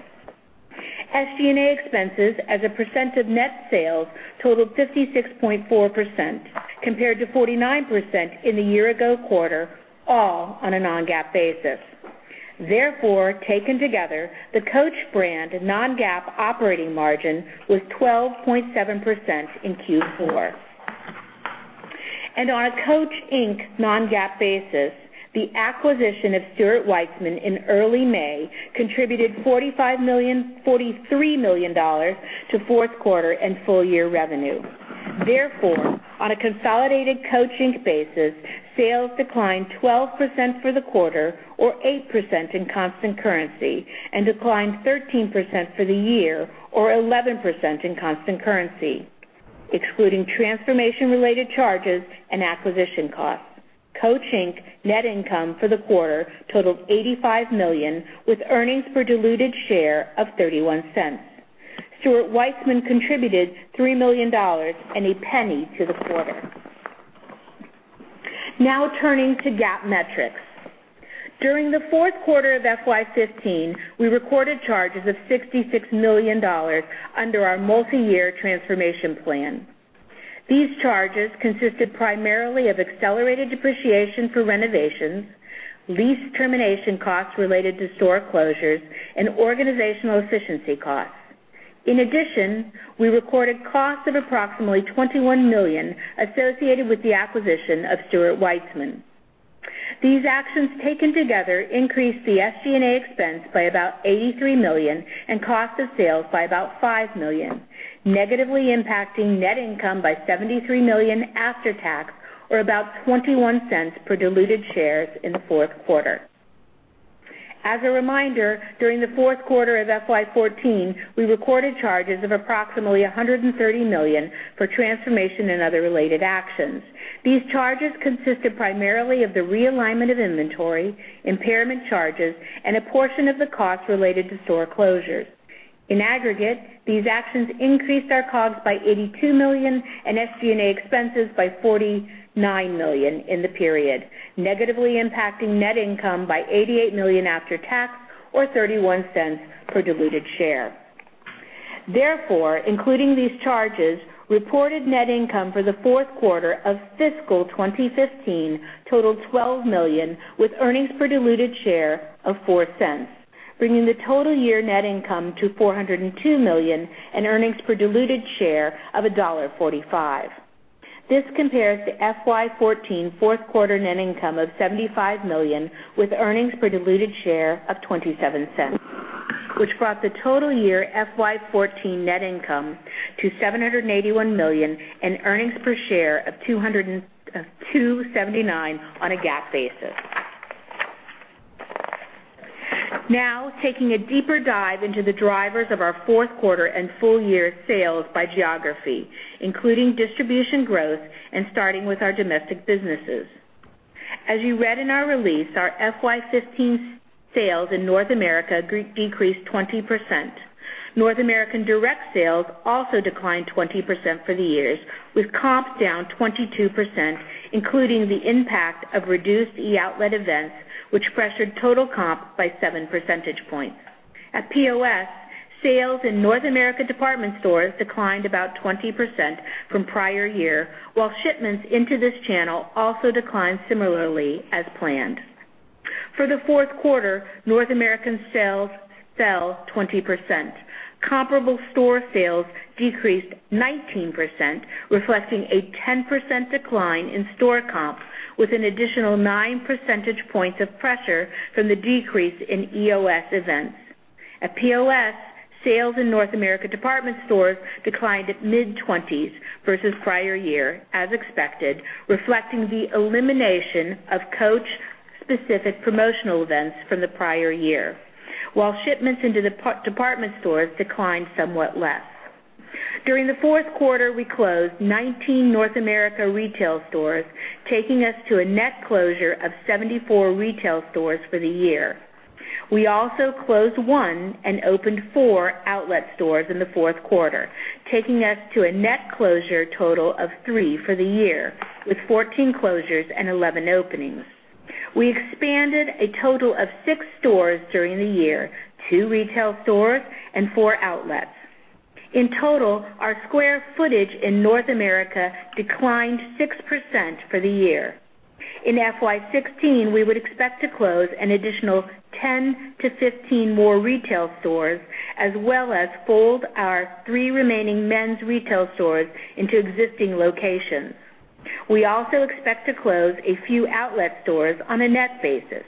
SG&A expenses as a percent of net sales totaled 56.4%, compared to 49% in the year-ago quarter, all on a non-GAAP basis. Therefore, taken together, the Coach brand non-GAAP operating margin was 12.7% in Q4. On a Coach, Inc. Non-GAAP basis, the acquisition of Stuart Weitzman in early May contributed $43 million to fourth quarter and full-year revenue. On a consolidated Coach, Inc. basis, sales declined 12% for the quarter or 8% in constant currency and declined 13% for the year or 11% in constant currency. Excluding transformation-related charges and acquisition costs, Coach, Inc. net income for the quarter totaled $85 million with earnings per diluted share of $0.31. Stuart Weitzman contributed $3 million and $0.01 to the quarter. Now turning to GAAP metrics. During the fourth quarter of FY 2015, we recorded charges of $66 million under our multi-year transformation plan. These charges consisted primarily of accelerated depreciation for renovations, lease termination costs related to store closures, and organizational efficiency costs. In addition, we recorded costs of approximately $21 million associated with the acquisition of Stuart Weitzman. These actions taken together increased the SG&A expense by about $83 million and cost of sales by about $5 million, negatively impacting net income by $73 million after tax, or about $0.21 per diluted share in the fourth quarter. As a reminder, during the fourth quarter of FY 2014, we recorded charges of approximately $130 million for transformation and other related actions. These charges consisted primarily of the realignment of inventory, impairment charges, and a portion of the cost related to store closures. In aggregate, these actions increased our COGS by $82 million and SG&A expenses by $49 million in the period, negatively impacting net income by $88 million after tax, or $0.31 per diluted share. Including these charges, reported net income for the fourth quarter of fiscal 2015 totaled $12 million, with earnings per diluted share of $0.04, bringing the total year net income to $402 million and earnings per diluted share of $1.45. This compares to FY 2014 fourth quarter net income of $75 million, with earnings per diluted share of $0.27, which brought the total year FY 2014 net income to $781 million and earnings per share of $2.79 on a GAAP basis. Taking a deeper dive into the drivers of our fourth quarter and full-year sales by geography, including distribution growth and starting with our domestic businesses. As you read in our release, our FY 2015 sales in North America decreased 20%. North American direct sales also declined 20% for the year, with comps down 22%, including the impact of reduced e-outlet events, which pressured total comp by seven percentage points. At POS, sales in North America department stores declined about 20% from prior year, while shipments into this channel also declined similarly as planned. For the fourth quarter, North American sales fell 20%. Comparable store sales decreased 19%, reflecting a 10% decline in store comps, with an additional nine percentage points of pressure from the decrease in EOS events. At POS, sales in North America department stores declined at mid-20s versus prior year, as expected, reflecting the elimination of Coach-specific promotional events from the prior year, while shipments into department stores declined somewhat less. During the fourth quarter, we closed 19 North America retail stores, taking us to a net closure of 74 retail stores for the year. We also closed one and opened four outlet stores in the fourth quarter, taking us to a net closure total of three for the year, with 14 closures and 11 openings. We expanded a total of six stores during the year, two retail stores and four outlets. In total, our square footage in North America declined 6% for the year. In FY 2016, we would expect to close an additional 10-15 more retail stores, as well as fold our three remaining men's retail stores into existing locations. We also expect to close a few outlet stores on a net basis.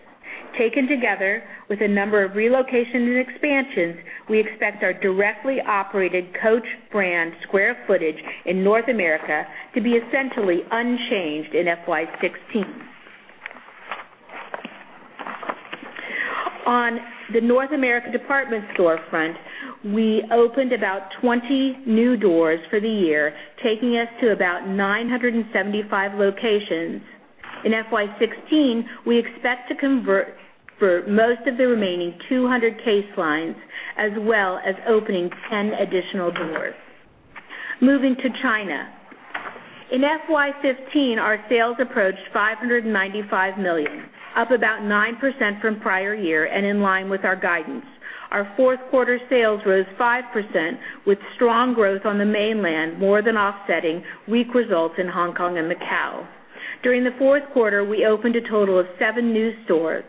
Taken together with a number of relocations and expansions, we expect our directly operated Coach brand square footage in North America to be essentially unchanged in FY 2016. On the North America department store front, we opened about 20 new doors for the year, taking us to about 975 locations. In FY 2016, we expect to convert for most of the remaining 200 case lines, as well as opening 10 additional doors. Moving to China. In FY 2015, our sales approached $595 million, up about 9% from prior year and in line with our guidance. Our fourth quarter sales rose 5%, with strong growth on the mainland more than offsetting weak results in Hong Kong and Macau. During the fourth quarter, we opened a total of 7 new stores,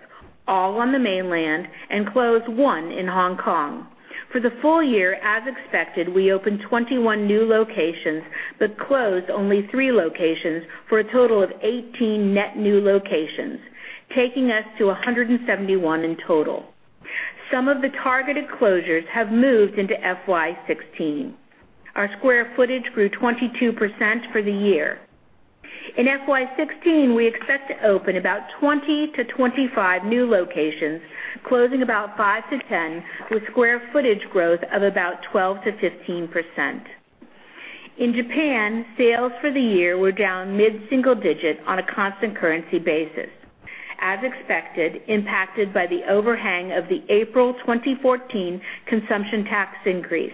all on the mainland, and closed 1 in Hong Kong. For the full year, as expected, we opened 21 new locations but closed only 3 locations for a total of 18 net new locations, taking us to 171 in total. Some of the targeted closures have moved into FY 2016. Our square footage grew 22% for the year. In FY 2016, we expect to open about 20-25 new locations, closing about 5-10, with square footage growth of about 12%-15%. In Japan, sales for the year were down mid-single-digit on a constant currency basis, as expected, impacted by the overhang of the April 2014 consumption tax increase.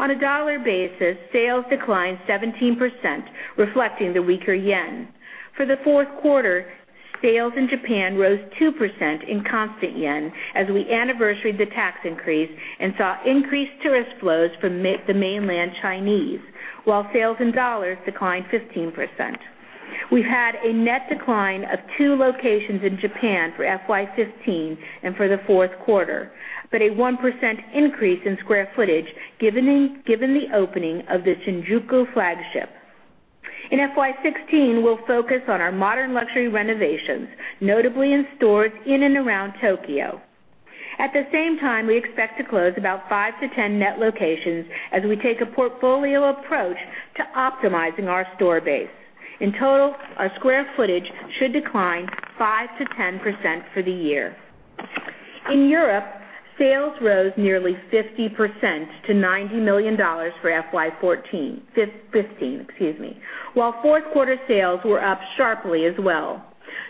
On a dollar basis, sales declined 17%, reflecting the weaker JPY. For the fourth quarter, sales in Japan rose 2% in constant JPY as we anniversaried the tax increase and saw increased tourist flows from the mainland Chinese, while sales in USD declined 15%. We've had a net decline of 2 locations in Japan for FY 2015 and for the fourth quarter, but a 1% increase in square footage given the opening of the Shinjuku flagship. In FY 2016, we'll focus on our modern luxury renovations, notably in stores in and around Tokyo. At the same time, we expect to close about 5-10 net locations as we take a portfolio approach to optimizing our store base. In total, our square footage should decline 5%-10% for the year. In Europe, sales rose nearly 50% to $90 million for FY 2015, excuse me, while fourth quarter sales were up sharply as well.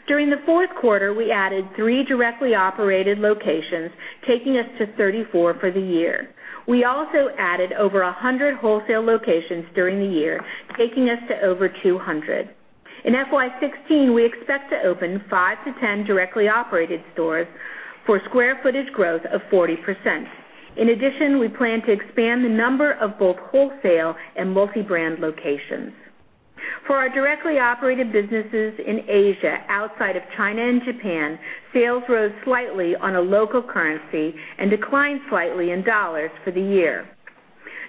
During the fourth quarter, we added 3 directly operated locations, taking us to 34 for the year. We also added over 100 wholesale locations during the year, taking us to over 200. In FY 2016, we expect to open 5-10 directly operated stores for square footage growth of 40%. In addition, we plan to expand the number of both wholesale and multi-brand locations. For our directly operated businesses in Asia, outside of China and Japan, sales rose slightly on a local currency and declined slightly in USD for the year.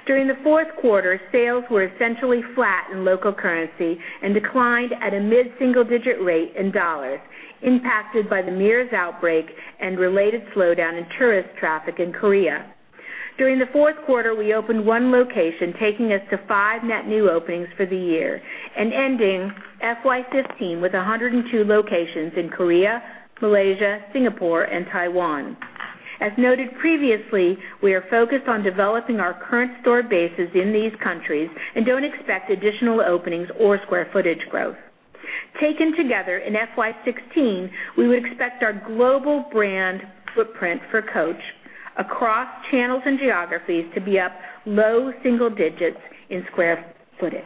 During the fourth quarter, sales were essentially flat in local currency and declined at a mid-single-digit rate in USD, impacted by the MERS outbreak and related slowdown in tourist traffic in Korea. During the fourth quarter, we opened 1 location, taking us to 5 net new openings for the year and ending FY 2015 with 102 locations in Korea, Malaysia, Singapore, and Taiwan. As noted previously, we are focused on developing our current store bases in these countries and don't expect additional openings or square footage growth. Taken together in FY 2016, we would expect our global brand footprint for Coach across channels and geographies to be up low-single-digits in square footage.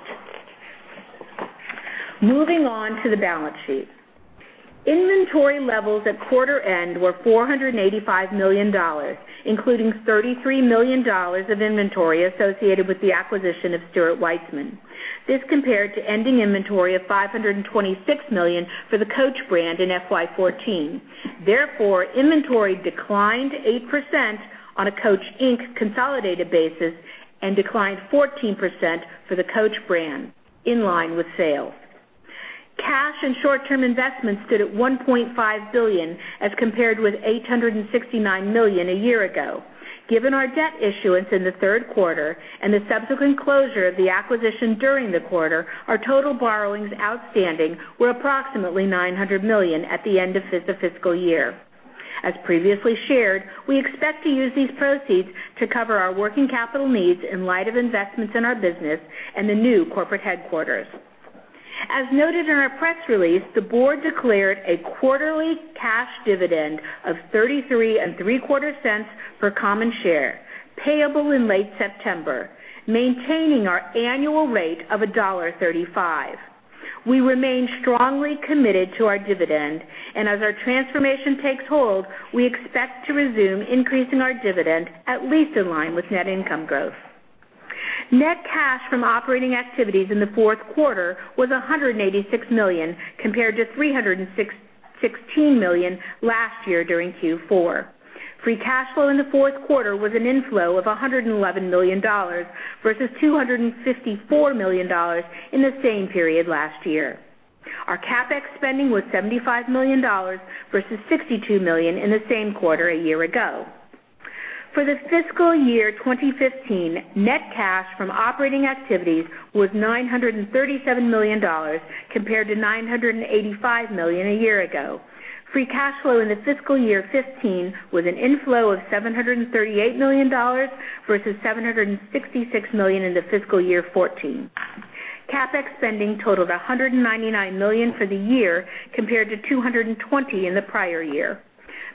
Moving on to the balance sheet. Inventory levels at quarter end were $485 million, including $33 million of inventory associated with the acquisition of Stuart Weitzman. This compared to ending inventory of $526 million for the Coach brand in FY 2014. Therefore, inventory declined 8% on a Coach, Inc. consolidated basis and declined 14% for the Coach brand, in line with sales. Cash and short-term investments stood at $1.5 billion as compared with $869 million a year ago. Given our debt issuance in the third quarter and the subsequent closure of the acquisition during the quarter, our total borrowings outstanding were approximately $900 million at the end of the fiscal year. As previously shared, we expect to use these proceeds to cover our working capital needs in light of investments in our business and the new corporate headquarters. As noted in our press release, the board declared a quarterly cash dividend of $0.3375 per common share payable in late September, maintaining our annual rate of $1.35. We remain strongly committed to our dividend, and as our transformation takes hold, we expect to resume increasing our dividend at least in line with net income growth. Net cash from operating activities in the fourth quarter was $186 million, compared to $316 million last year during Q4. Free cash flow in the fourth quarter was an inflow of $111 million versus $254 million in the same period last year. Our CapEx spending was $75 million versus $62 million in the same quarter a year ago. For the fiscal year 2015, net cash from operating activities was $937 million compared to $985 million a year ago. Free cash flow in the fiscal year 2015 was an inflow of $738 million versus $766 million in the fiscal year 2014. CapEx spending totaled $199 million for the year, compared to $220 million in the prior year.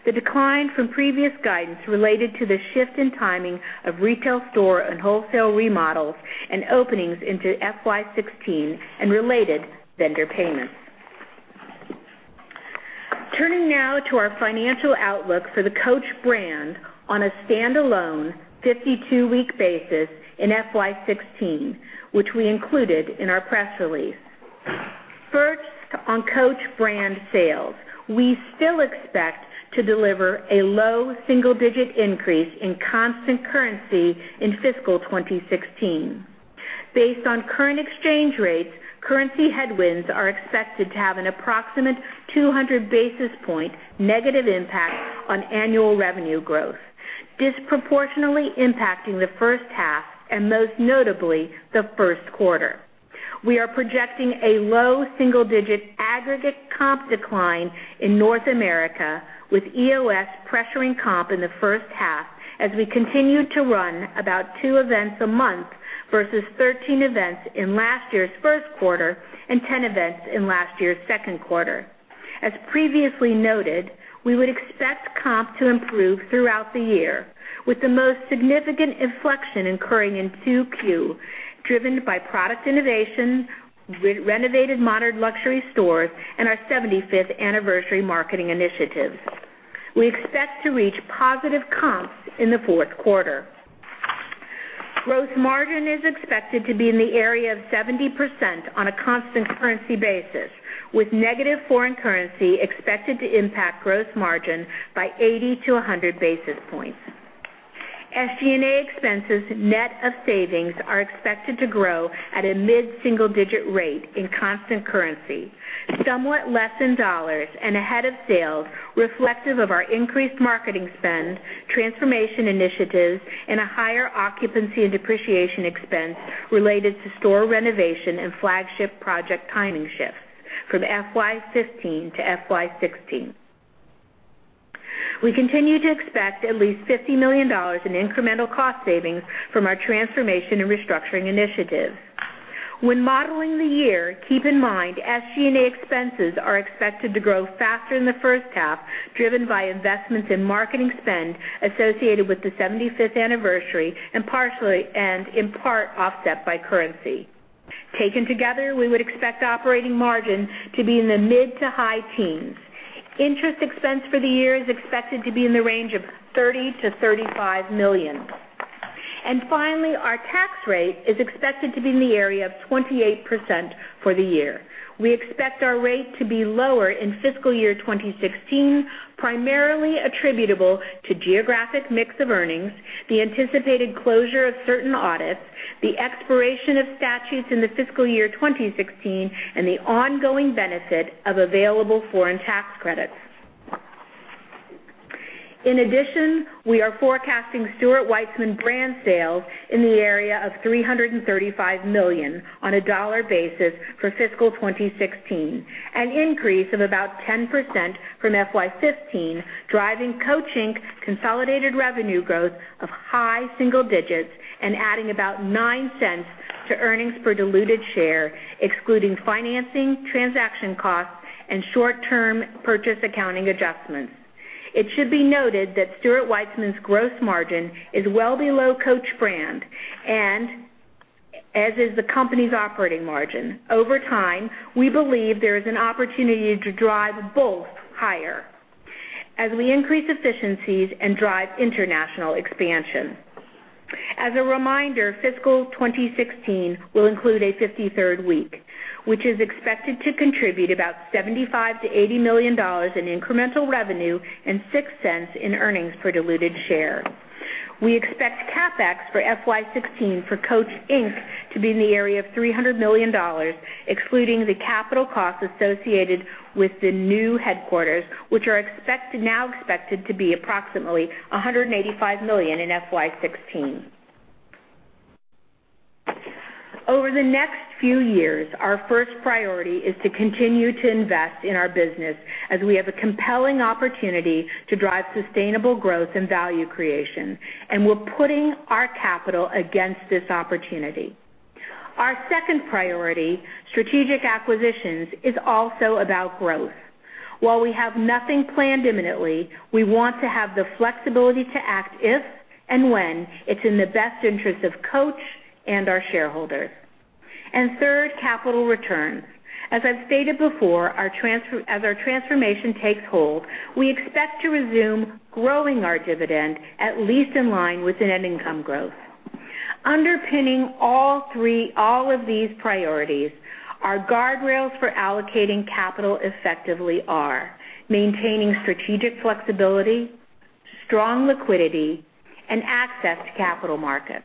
The decline from previous guidance related to the shift in timing of retail store and wholesale remodels and openings into FY 2016 and related vendor payments. Turning now to our financial outlook for the Coach brand on a standalone 52-week basis in FY 2016, which we included in our press release. First, on Coach brand sales, we still expect to deliver a low single-digit increase in constant currency in fiscal 2016. Based on current exchange rates, currency headwinds are expected to have an approximate 200-basis point negative impact on annual revenue growth, disproportionately impacting the first half and most notably, the first quarter. We are projecting a low single-digit aggregate comp decline in North America, with EOS pressuring comp in the first half as we continue to run about two events a month versus 13 events in last year's first quarter and 10 events in last year's second quarter. As previously noted, we would expect comp to improve throughout the year, with the most significant inflection occurring in 2Q, driven by product innovation, renovated modern luxury stores, and our 75th anniversary marketing initiatives. We expect to reach positive comps in the fourth quarter. Gross margin is expected to be in the area of 70% on a constant currency basis, with negative foreign currency expected to impact gross margin by 80 to 100 basis points. SG&A expenses, net of savings, are expected to grow at a mid-single-digit rate in constant currency, somewhat less in dollars and ahead of sales, reflective of our increased marketing spend, transformation initiatives, and a higher occupancy and depreciation expense related to store renovation and flagship project timing shifts from FY 2015 to FY 2016. We continue to expect at least $50 million in incremental cost savings from our transformation and restructuring initiatives. When modeling the year, keep in mind SG&A expenses are expected to grow faster in the first half, driven by investments in marketing spend associated with the 75th anniversary and in part offset by currency. Taken together, we would expect operating margin to be in the mid to high teens. Interest expense for the year is expected to be in the range of $30 million-$35 million. Finally, our tax rate is expected to be in the area of 28% for the year. We expect our rate to be lower in fiscal year 2016, primarily attributable to geographic mix of earnings, the anticipated closure of certain audits, the expiration of statutes in the fiscal year 2016, and the ongoing benefit of available foreign tax credits. In addition, we are forecasting Stuart Weitzman brand sales in the area of $335 million for fiscal 2016, an increase of about 10% from FY 2015, driving Coach, Inc.'s consolidated revenue growth of high single digits and adding about $0.09 to earnings per diluted share, excluding financing, transaction costs, and short-term purchase accounting adjustments. It should be noted that Stuart Weitzman's gross margin is well below Coach brand, as is the company's operating margin. Over time, we believe there is an opportunity to drive both higher as we increase efficiencies and drive international expansion. As a reminder, fiscal 2016 will include a 53rd week, which is expected to contribute about $75 million-$80 million in incremental revenue and $0.06 in earnings per diluted share. We expect CapEx for FY 2016 for Coach, Inc. to be in the area of $300 million, excluding the capital costs associated with the new headquarters, which are now expected to be approximately $185 million in FY 2016. Over the next few years, our first priority is to continue to invest in our business as we have a compelling opportunity to drive sustainable growth and value creation. We're putting our capital against this opportunity. Our second priority, strategic acquisitions, is also about growth. While we have nothing planned imminently, we want to have the flexibility to act if and when it's in the best interest of Coach and our shareholders. Third, capital returns. As I've stated before, as our transformation takes hold, we expect to resume growing our dividend at least in line with net income growth. Underpinning all of these priorities, our guardrails for allocating capital effectively are maintaining strategic flexibility, strong liquidity, and access to capital markets.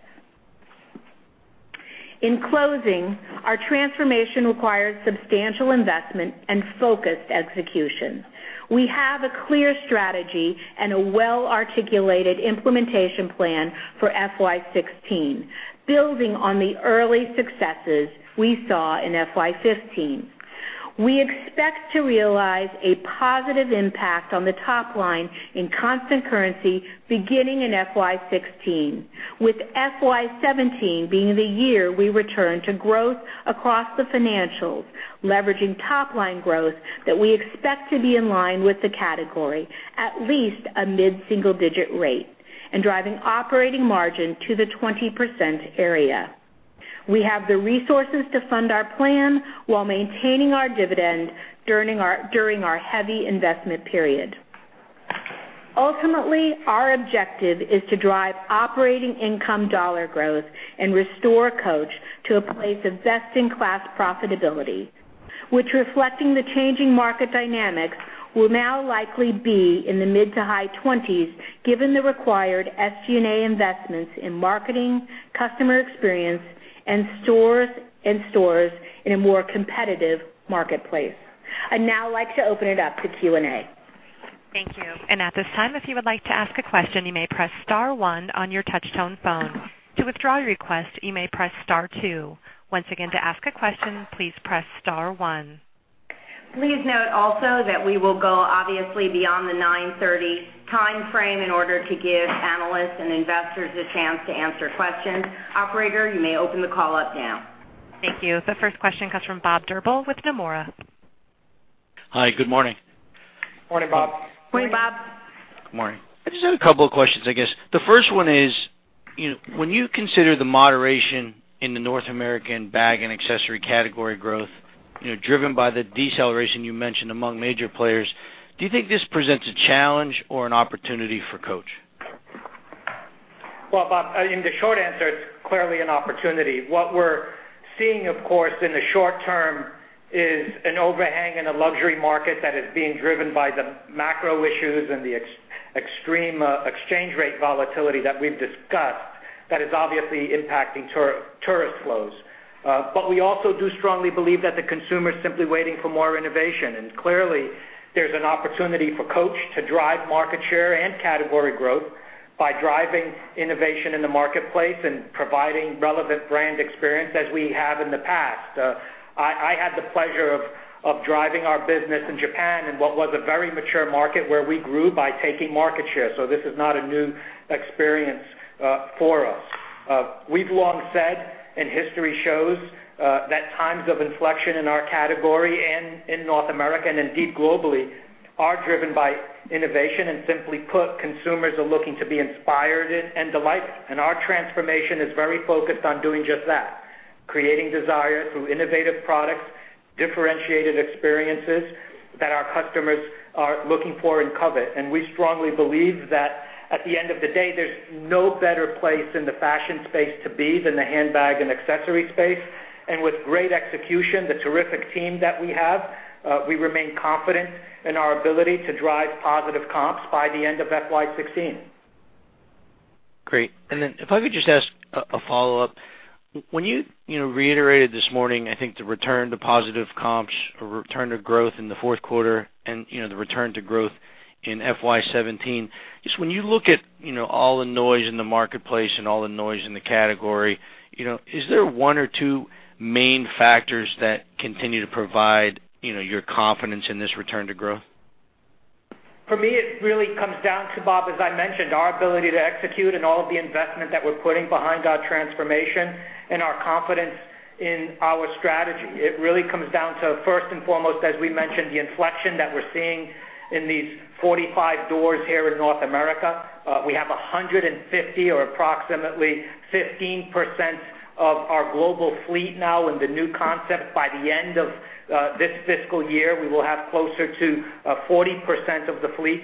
In closing, our transformation requires substantial investment and focused execution. We have a clear strategy and a well-articulated implementation plan for FY 2016, building on the early successes we saw in FY 2015. We expect to realize a positive impact on the top line in constant currency beginning in FY 2016, with FY 2017 being the year we return to growth across the financials, leveraging top-line growth that we expect to be in line with the category, at least a mid-single-digit rate, and driving operating margin to the 20% area. We have the resources to fund our plan while maintaining our dividend during our heavy investment period. Ultimately, our objective is to drive operating income dollar growth and restore Coach to a place of best-in-class profitability, which reflecting the changing market dynamics, will now likely be in the mid to high 20s, given the required SG&A investments in marketing, customer experience, and stores in a more competitive marketplace. I'd now like to open it up to Q&A. Thank you. At this time, if you would like to ask a question, you may press star one on your touch-tone phone. To withdraw your request, you may press star two. Once again, to ask a question, please press star one. Please note also that we will go obviously beyond the 9:30 timeframe in order to give analysts and investors a chance to answer questions. Operator, you may open the call up now. Thank you. The first question comes from Bob Drbul with Nomura. Hi, good morning. Morning, Bob. Morning. Morning, Bob. Good morning. I just had a couple of questions, I guess. The first one is When you consider the moderation in the North American bag and accessory category growth driven by the deceleration you mentioned among major players, do you think this presents a challenge or an opportunity for Coach? Well, Bob, in the short answer, it's clearly an opportunity. What we're seeing, of course, in the short term is an overhang in a luxury market that is being driven by the macro issues and the extreme exchange rate volatility that we've discussed that is obviously impacting tourist flows. We also do strongly believe that the consumer is simply waiting for more innovation. Clearly, there's an opportunity for Coach to drive market share and category growth by driving innovation in the marketplace and providing relevant brand experience as we have in the past. I had the pleasure of driving our business in Japan in what was a very mature market where we grew by taking market share. This is not a new experience for us. We've long said, history shows, that times of inflection in our category and in North America and indeed globally are driven by innovation. Simply put, consumers are looking to be inspired and delighted. Our transformation is very focused on doing just that, creating desire through innovative products, differentiated experiences that our customers are looking for and covet. We strongly believe that at the end of the day, there's no better place in the fashion space to be than the handbag and accessory space. With great execution, the terrific team that we have, we remain confident in our ability to drive positive comps by the end of FY 2016. Great. If I could just ask a follow-up. When you reiterated this morning, I think, the return to positive comps or return to growth in the fourth quarter and the return to growth in FY 2017, just when you look at all the noise in the marketplace and all the noise in the category, is there one or two main factors that continue to provide your confidence in this return to growth? For me, it really comes down to, Bob, as I mentioned, our ability to execute and all of the investment that we're putting behind our transformation and our confidence in our strategy. It really comes down to, first and foremost, as we mentioned, the inflection that we're seeing in these 45 doors here in North America. We have 150 or approximately 15% of our global fleet now in the new concept. By the end of this fiscal year, we will have closer to 40% of the fleet.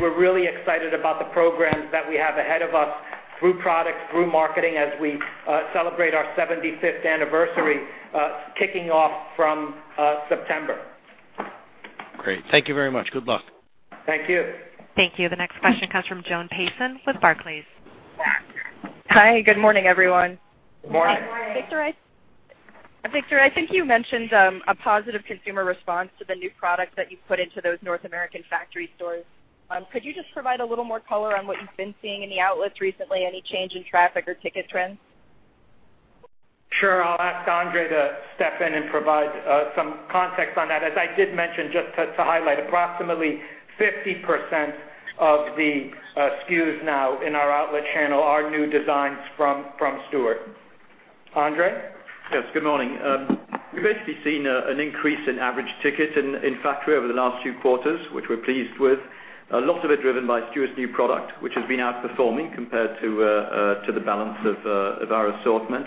We're really excited about the programs that we have ahead of us through products, through marketing as we celebrate our 75th anniversary, kicking off from September. Great. Thank you very much. Good luck. Thank you. Thank you. The next question comes from Joan Payson with Barclays. Hi. Good morning, everyone. Good morning. Good morning. Victor, I think you mentioned a positive consumer response to the new product that you've put into those North American factory stores. Could you just provide a little more color on what you've been seeing in the outlets recently? Any change in traffic or ticket trends? Sure. I'll ask Andre to step in and provide some context on that. As I did mention, just to highlight, approximately 50% of the SKUs now in our outlet channel are new designs from Stuart. Andre? Yes, good morning. We've basically seen an increase in average ticket in factory over the last few quarters, which we're pleased with. A lot of it driven by Stuart's new product, which has been outperforming compared to the balance of our assortment.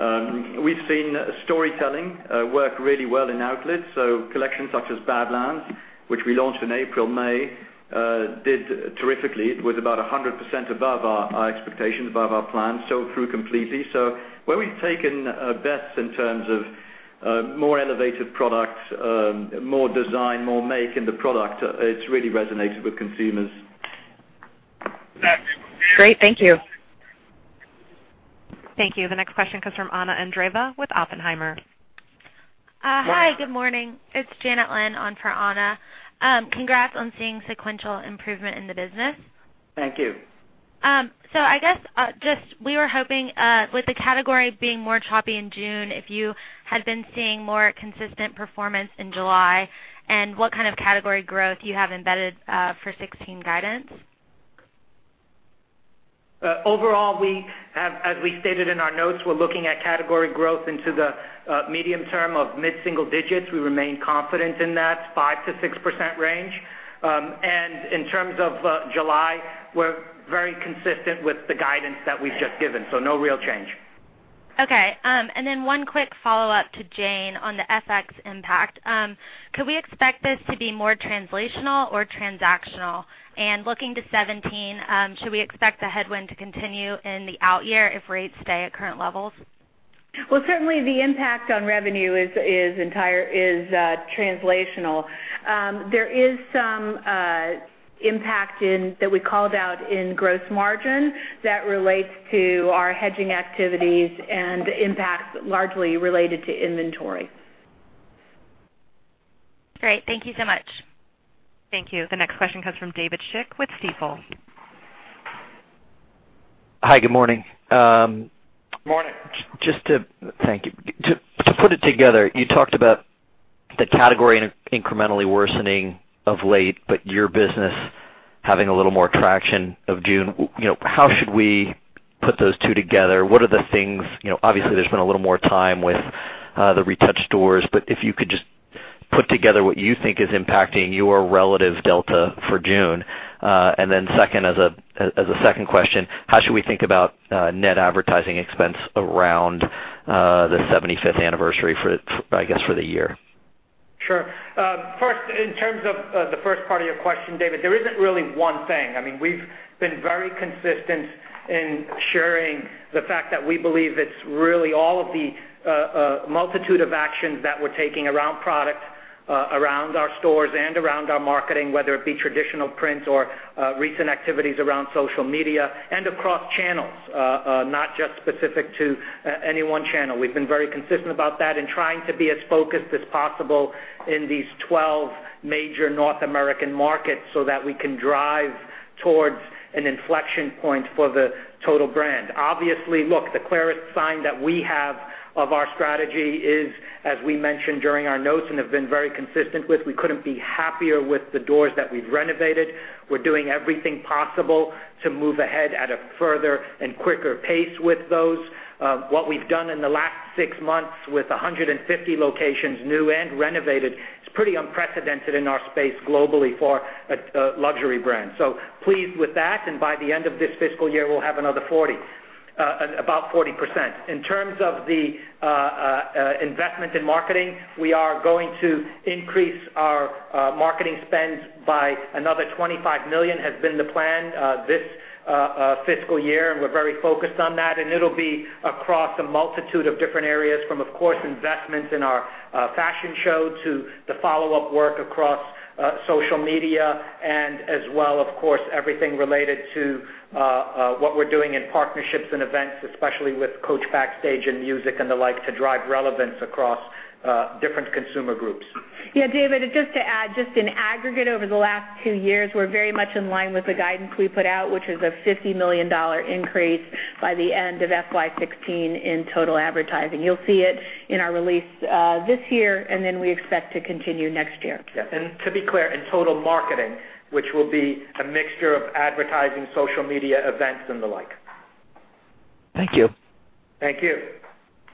We've seen storytelling work really well in outlets. Collections such as Badlands, which we launched in April/May, did terrifically. It was about 100% above our expectations, above our plan. Sold through completely. Where we've taken bets in terms of more elevated products, more design, more make in the product, it's really resonated with consumers. Great. Thank you. Thank you. The next question comes from Anna Andreeva with Oppenheimer. Hi, good morning. It's Janet Lin on for Anna. Congrats on seeing sequential improvement in the business. Thank you. I guess, just we were hoping with the category being more choppy in June, if you had been seeing more consistent performance in July, and what kind of category growth you have embedded for 2016 guidance. Overall, as we stated in our notes, we're looking at category growth into the medium term of mid-single digits. We remain confident in that 5%-6% range. In terms of July, we're very consistent with the guidance that we've just given. No real change. Okay. Then one quick follow-up to Jane on the FX impact. Could we expect this to be more translational or transactional? Looking to 2017, should we expect the headwind to continue in the out year if rates stay at current levels? Well, certainly the impact on revenue is translational. There is some impact that we called out in gross margin that relates to our hedging activities and impacts largely related to inventory. Great. Thank you so much. Thank you. The next question comes from David Schick with Stifel. Hi, good morning. Morning. Thank you. To put it together, you talked about the category incrementally worsening of late, but your business having a little more traction of June. How should we put those two together? Obviously, there's been a little more time with the renovated stores, but if you could just put together what you think is impacting your relative delta for June. Second, as a second question, how should we think about net advertising expense around the 75th anniversary, I guess, for the year? Sure. First, in terms of the first part of your question, David, there isn't really one thing. We've been very consistent in sharing the fact that we believe it's really all of the multitude of actions that we're taking around product, around our stores, and around our marketing, whether it be traditional print or recent activities around social media and across channels, not just specific to any one channel. We've been very consistent about that and trying to be as focused as possible in these 12 major North American markets so that we can drive towards an inflection point for the total brand. Obviously, look, the clearest sign that we have of our strategy is, as we mentioned during our notes and have been very consistent with, we couldn't be happier with the doors that we've renovated. We're doing everything possible to move ahead at a further and quicker pace with those. What we've done in the last six months with 150 locations, new and renovated, is pretty unprecedented in our space globally for a luxury brand. Pleased with that, and by the end of this fiscal year, we'll have another 40, about 40%. In terms of the investment in marketing, we are going to increase our marketing spend by another $25 million, has been the plan this fiscal year, and we're very focused on that. It'll be across a multitude of different areas from, of course, investments in our fashion show to the follow-up work across social media and as well, of course, everything related to what we're doing in partnerships and events, especially with Coach Backstage and music and the like, to drive relevance across different consumer groups. Yeah, David, just to add, just in aggregate over the last two years, we're very much in line with the guidance we put out, which is a $50 million increase by the end of FY 2016 in total advertising. You'll see it in our release this year. Then we expect to continue next year. Yes. To be clear, in total marketing, which will be a mixture of advertising, social media, events, and the like. Thank you. Thank you.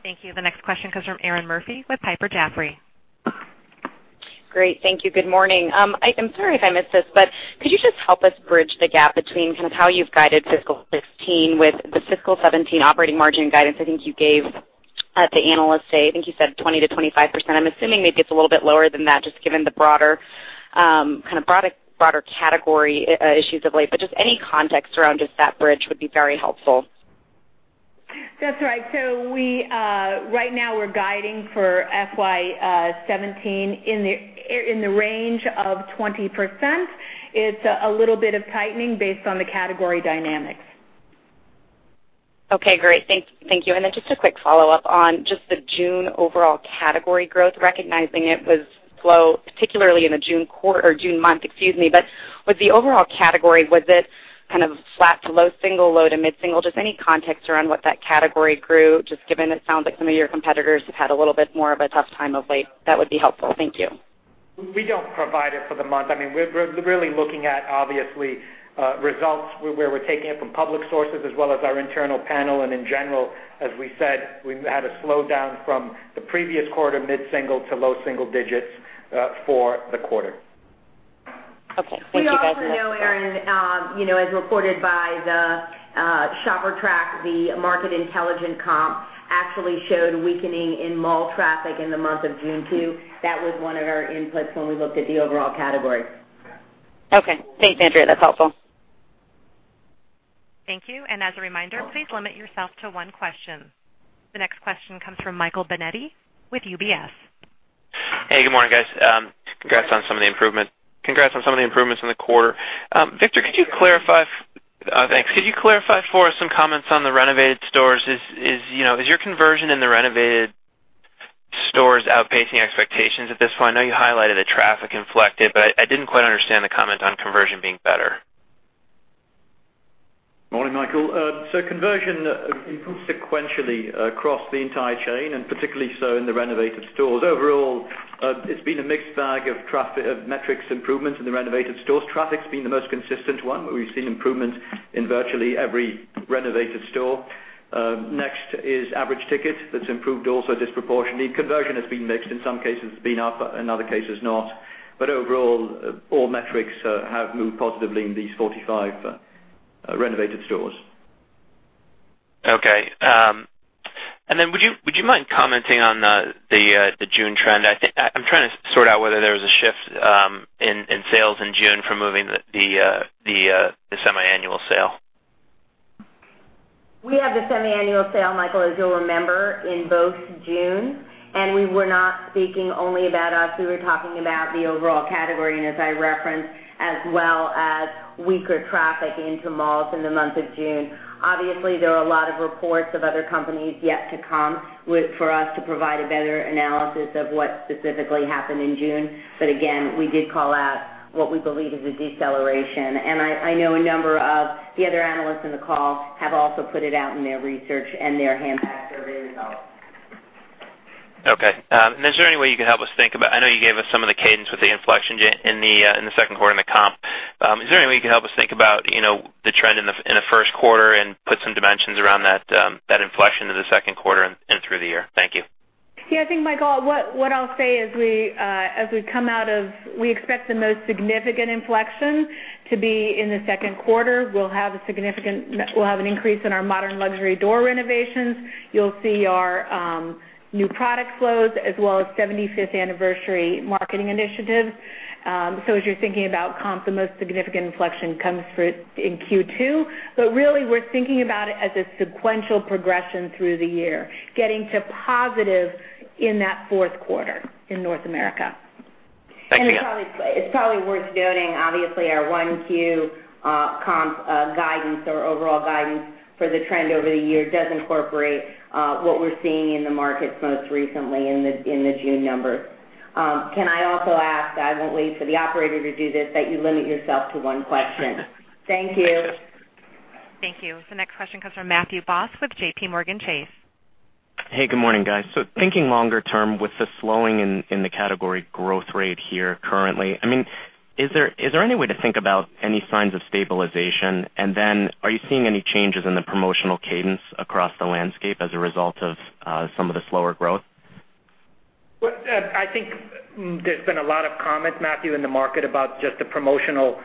Thank you. The next question comes from Erinn Murphy with Piper Jaffray. Great. Thank you. Good morning. I'm sorry if I missed this, but could you just help us bridge the gap between how you've guided fiscal 2016 with the fiscal 2017 operating margin guidance I think you gave at the Analyst Day. I think you said 20%-25%. I'm assuming maybe it's a little bit lower than that, just given the broader category issues of late. Just any context around just that bridge would be very helpful. That's right. Right now, we're guiding for FY 2017 in the range of 20%. It's a little bit of tightening based on the category dynamics. Okay, great. Thank you. Just a quick follow-up on just the June overall category growth, recognizing it was slow, particularly in the June month. With the overall category, was it kind of flat to low single, low to mid-single? Just any context around what that category grew, just given it sounds like some of your competitors have had a little bit more of a tough time of late. That would be helpful. Thank you. We don't provide it for the month. We're really looking at, obviously, results where we're taking it from public sources as well as our internal panel. In general, as we said, we had a slowdown from the previous quarter, mid-single to low single digits, for the quarter. Okay. Thank you. We also know, Erinn, as reported by the ShopperTrak, the market intelligent comp actually showed weakening in mall traffic in the month of June, too. That was one of our inputs when we looked at the overall category. Okay. Thanks, Andrea. That's helpful. As a reminder, please limit yourself to one question. The next question comes from Michael Binetti with UBS. Hey, good morning, guys. Congrats on some of the improvements in the quarter. Victor, could you clarify for us some comments on the renovated stores? Is your conversion in the renovated stores outpacing expectations at this point? I know you highlighted the traffic inflected, but I didn't quite understand the comment on conversion being better. Morning, Michael. Conversion improved sequentially across the entire chain, and particularly so in the renovated stores. Overall, it's been a mixed bag of metrics improvements in the renovated stores. Traffic's been the most consistent one, where we've seen improvements in virtually every renovated store. Next is average ticket. That's improved also disproportionately. Conversion has been mixed. In some cases it's been up, in other cases not. Overall, all metrics have moved positively in these 45 renovated stores. Okay. Would you mind commenting on the June trend? I'm trying to sort out whether there was a shift in sales in June from moving the semiannual sale. We have the semiannual sale, Michael, as you'll remember, in both Junes. We were not speaking only about us. We were talking about the overall category, as I referenced, as well as weaker traffic into malls in the month of June. Obviously, there are a lot of reports of other companies yet to come for us to provide a better analysis of what specifically happened in June. Again, we did call out what we believe is a deceleration. I know a number of the other analysts on the call have also put it out in their research and their handbag survey results. Okay. Is there any way you could help us think about? I know you gave us some of the cadence with the inflection in the second quarter in the comp. Is there any way you can help us think about the trend in the first quarter and put some dimensions around that inflection in the second quarter and through the year? Thank you. Yeah, I think, Michael, what I'll say is we expect the most significant inflection to be in the second quarter. We'll have an increase in our modern luxury door renovations. You'll see our new product flows as well as 75th-anniversary marketing initiatives. As you're thinking about comp, the most significant inflection comes in Q2. Really, we're thinking about it as a sequential progression through the year, getting to positive in that fourth quarter in North America. Thank you. It's probably worth noting, obviously, our 1Q comp guidance or overall guidance for the trend over the year does incorporate what we're seeing in the markets most recently in the June numbers. Can I also ask, I won't wait for the operator to do this, that you limit yourself to one question? Thank you. Thank you. Thank you. The next question comes from Matthew Boss with JPMorgan Chase. Hey, good morning, guys. Thinking longer term with the slowing in the category growth rate here currently, is there any way to think about any signs of stabilization? Are you seeing any changes in the promotional cadence across the landscape as a result of some of the slower growth? Well, I think there's been a lot of comments, Matthew, in the market about just the promotional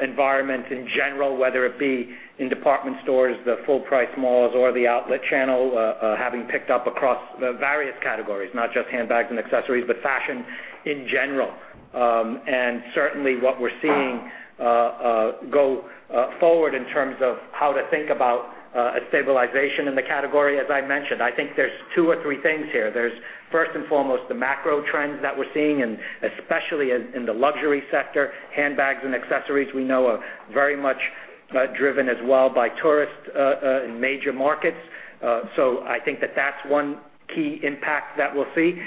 environment in general, whether it be in department stores, the full-price malls, or the outlet channel having picked up across the various categories, not just handbags and accessories, but fashion in general. Certainly, what we're seeing go forward in terms of how to think about a stabilization in the category, as I mentioned, I think there's two or three things here. There's first and foremost, the macro trends that we're seeing, and especially in the luxury sector. Handbags and accessories, we know, are very much driven as well by tourists in major markets. I think that that's one key impact that we'll see.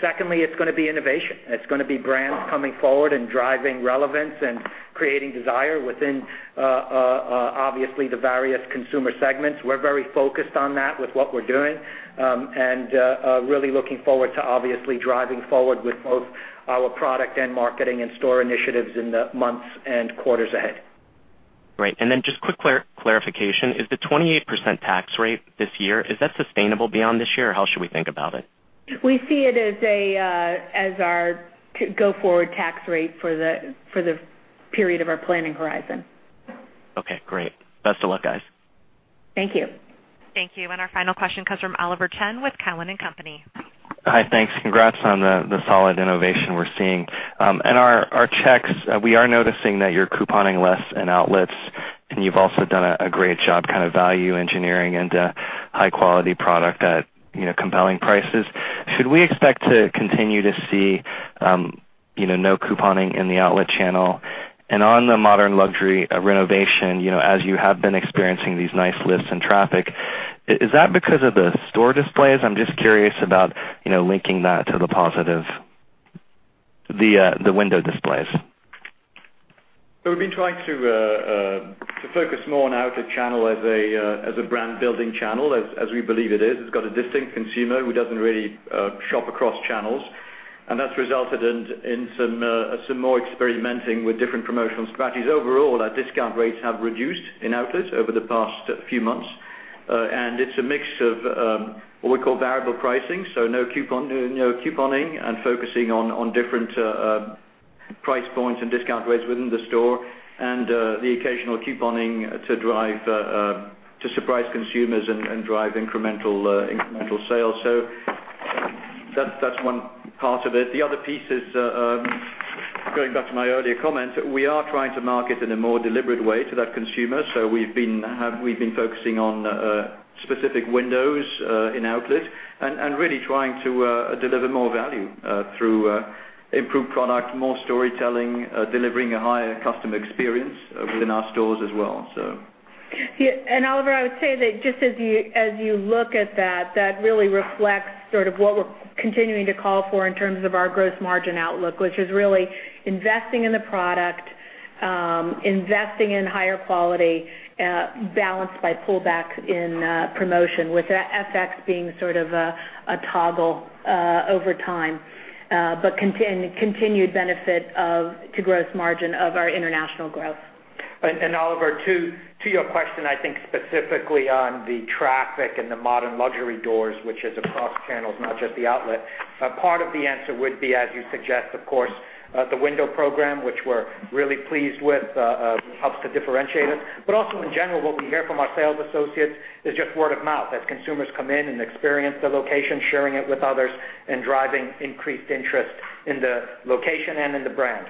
Secondly, it's going to be innovation. It's going to be brands coming forward and driving relevance and creating desire within obviously the various consumer segments. We're very focused on that with what we're doing and really looking forward to obviously driving forward with both our product and marketing and store initiatives in the months and quarters ahead. Right. Then just quick clarification, is the 28% tax rate this year, is that sustainable beyond this year? Or how should we think about it? We see it as our go-forward tax rate for the period of our planning horizon. Okay, great. Best of luck, guys. Thank you. Thank you. Our final question comes from Oliver Chen with Cowen and Company. Hi. Thanks. Congrats on the solid innovation we're seeing. In our checks, we are noticing that you're couponing less in outlets, and you've also done a great job value engineering into high-quality product at compelling prices. Should we expect to continue to see no couponing in the outlet channel? On the modern luxury renovation, as you have been experiencing these nice lifts in traffic, is that because of the store displays? I'm just curious about linking that to the window displays. We've been trying to focus more on outlet channel as a brand-building channel, as we believe it is. It's got a distinct consumer who doesn't really shop across channels, that's resulted in some more experimenting with different promotional strategies. Overall, our discount rates have reduced in outlets over the past few months. It's a mix of what we call variable pricing, no couponing and focusing on different price points and discount rates within the store and the occasional couponing to surprise consumers and drive incremental sales. That's one part of it. The other piece is going back to my earlier comment, we are trying to market in a more deliberate way to that consumer. We've been focusing on specific windows in outlet and really trying to deliver more value through improved product, more storytelling, delivering a higher customer experience within our stores as well. Yeah. Oliver, I would say that just as you look at that really reflects sort of what we're continuing to call for in terms of our gross margin outlook, which is really investing in the product, investing in higher quality, balanced by pullbacks in promotion, with FX being sort of a toggle over time. Continued benefit to gross margin of our international growth. Oliver, to your question, I think specifically on the traffic and the modern luxury doors, which is across channels, not just the outlet. Part of the answer would be, as you suggest, of course, the window program, which we're really pleased with, helps to differentiate it. Also in general, what we hear from our sales associates is just word of mouth as consumers come in and experience the location, sharing it with others, and driving increased interest in the location and in the brand.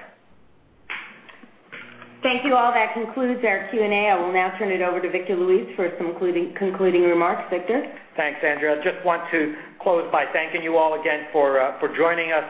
Thank you. All that concludes our Q&A. I will now turn it over to Victor Luis for some concluding remarks. Victor. Thanks, Andrea. I just want to close by thanking you all again for joining us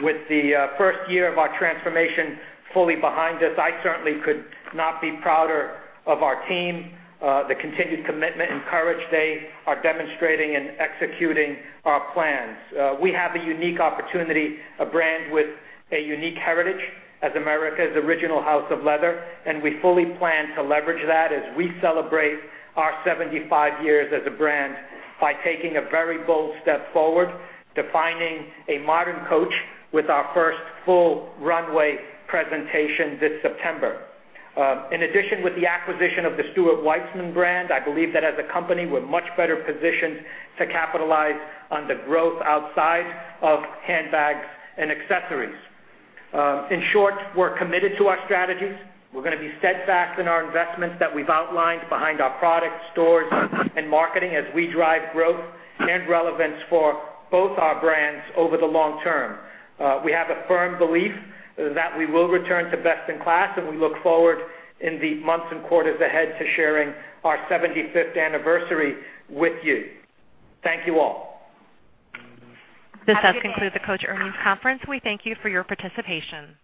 with the first year of our transformation fully behind us. I certainly could not be prouder of our team, the continued commitment and courage they are demonstrating in executing our plans. We have a unique opportunity, a brand with a unique heritage as America's original house of leather, and we fully plan to leverage that as we celebrate our 75 years as a brand by taking a very bold step forward, defining a modern Coach with our first full runway presentation this September. In addition, with the acquisition of the Stuart Weitzman brand, I believe that as a company, we're much better positioned to capitalize on the growth outside of handbags and accessories. In short, we're committed to our strategies. We're going to be steadfast in our investments that we've outlined behind our product, stores, and marketing as we drive growth and relevance for both our brands over the long term. We have a firm belief that we will return to best-in-class, and we look forward in the months and quarters ahead to sharing our 75th anniversary with you. Thank you all. This does conclude the Coach earnings conference. We thank you for your participation.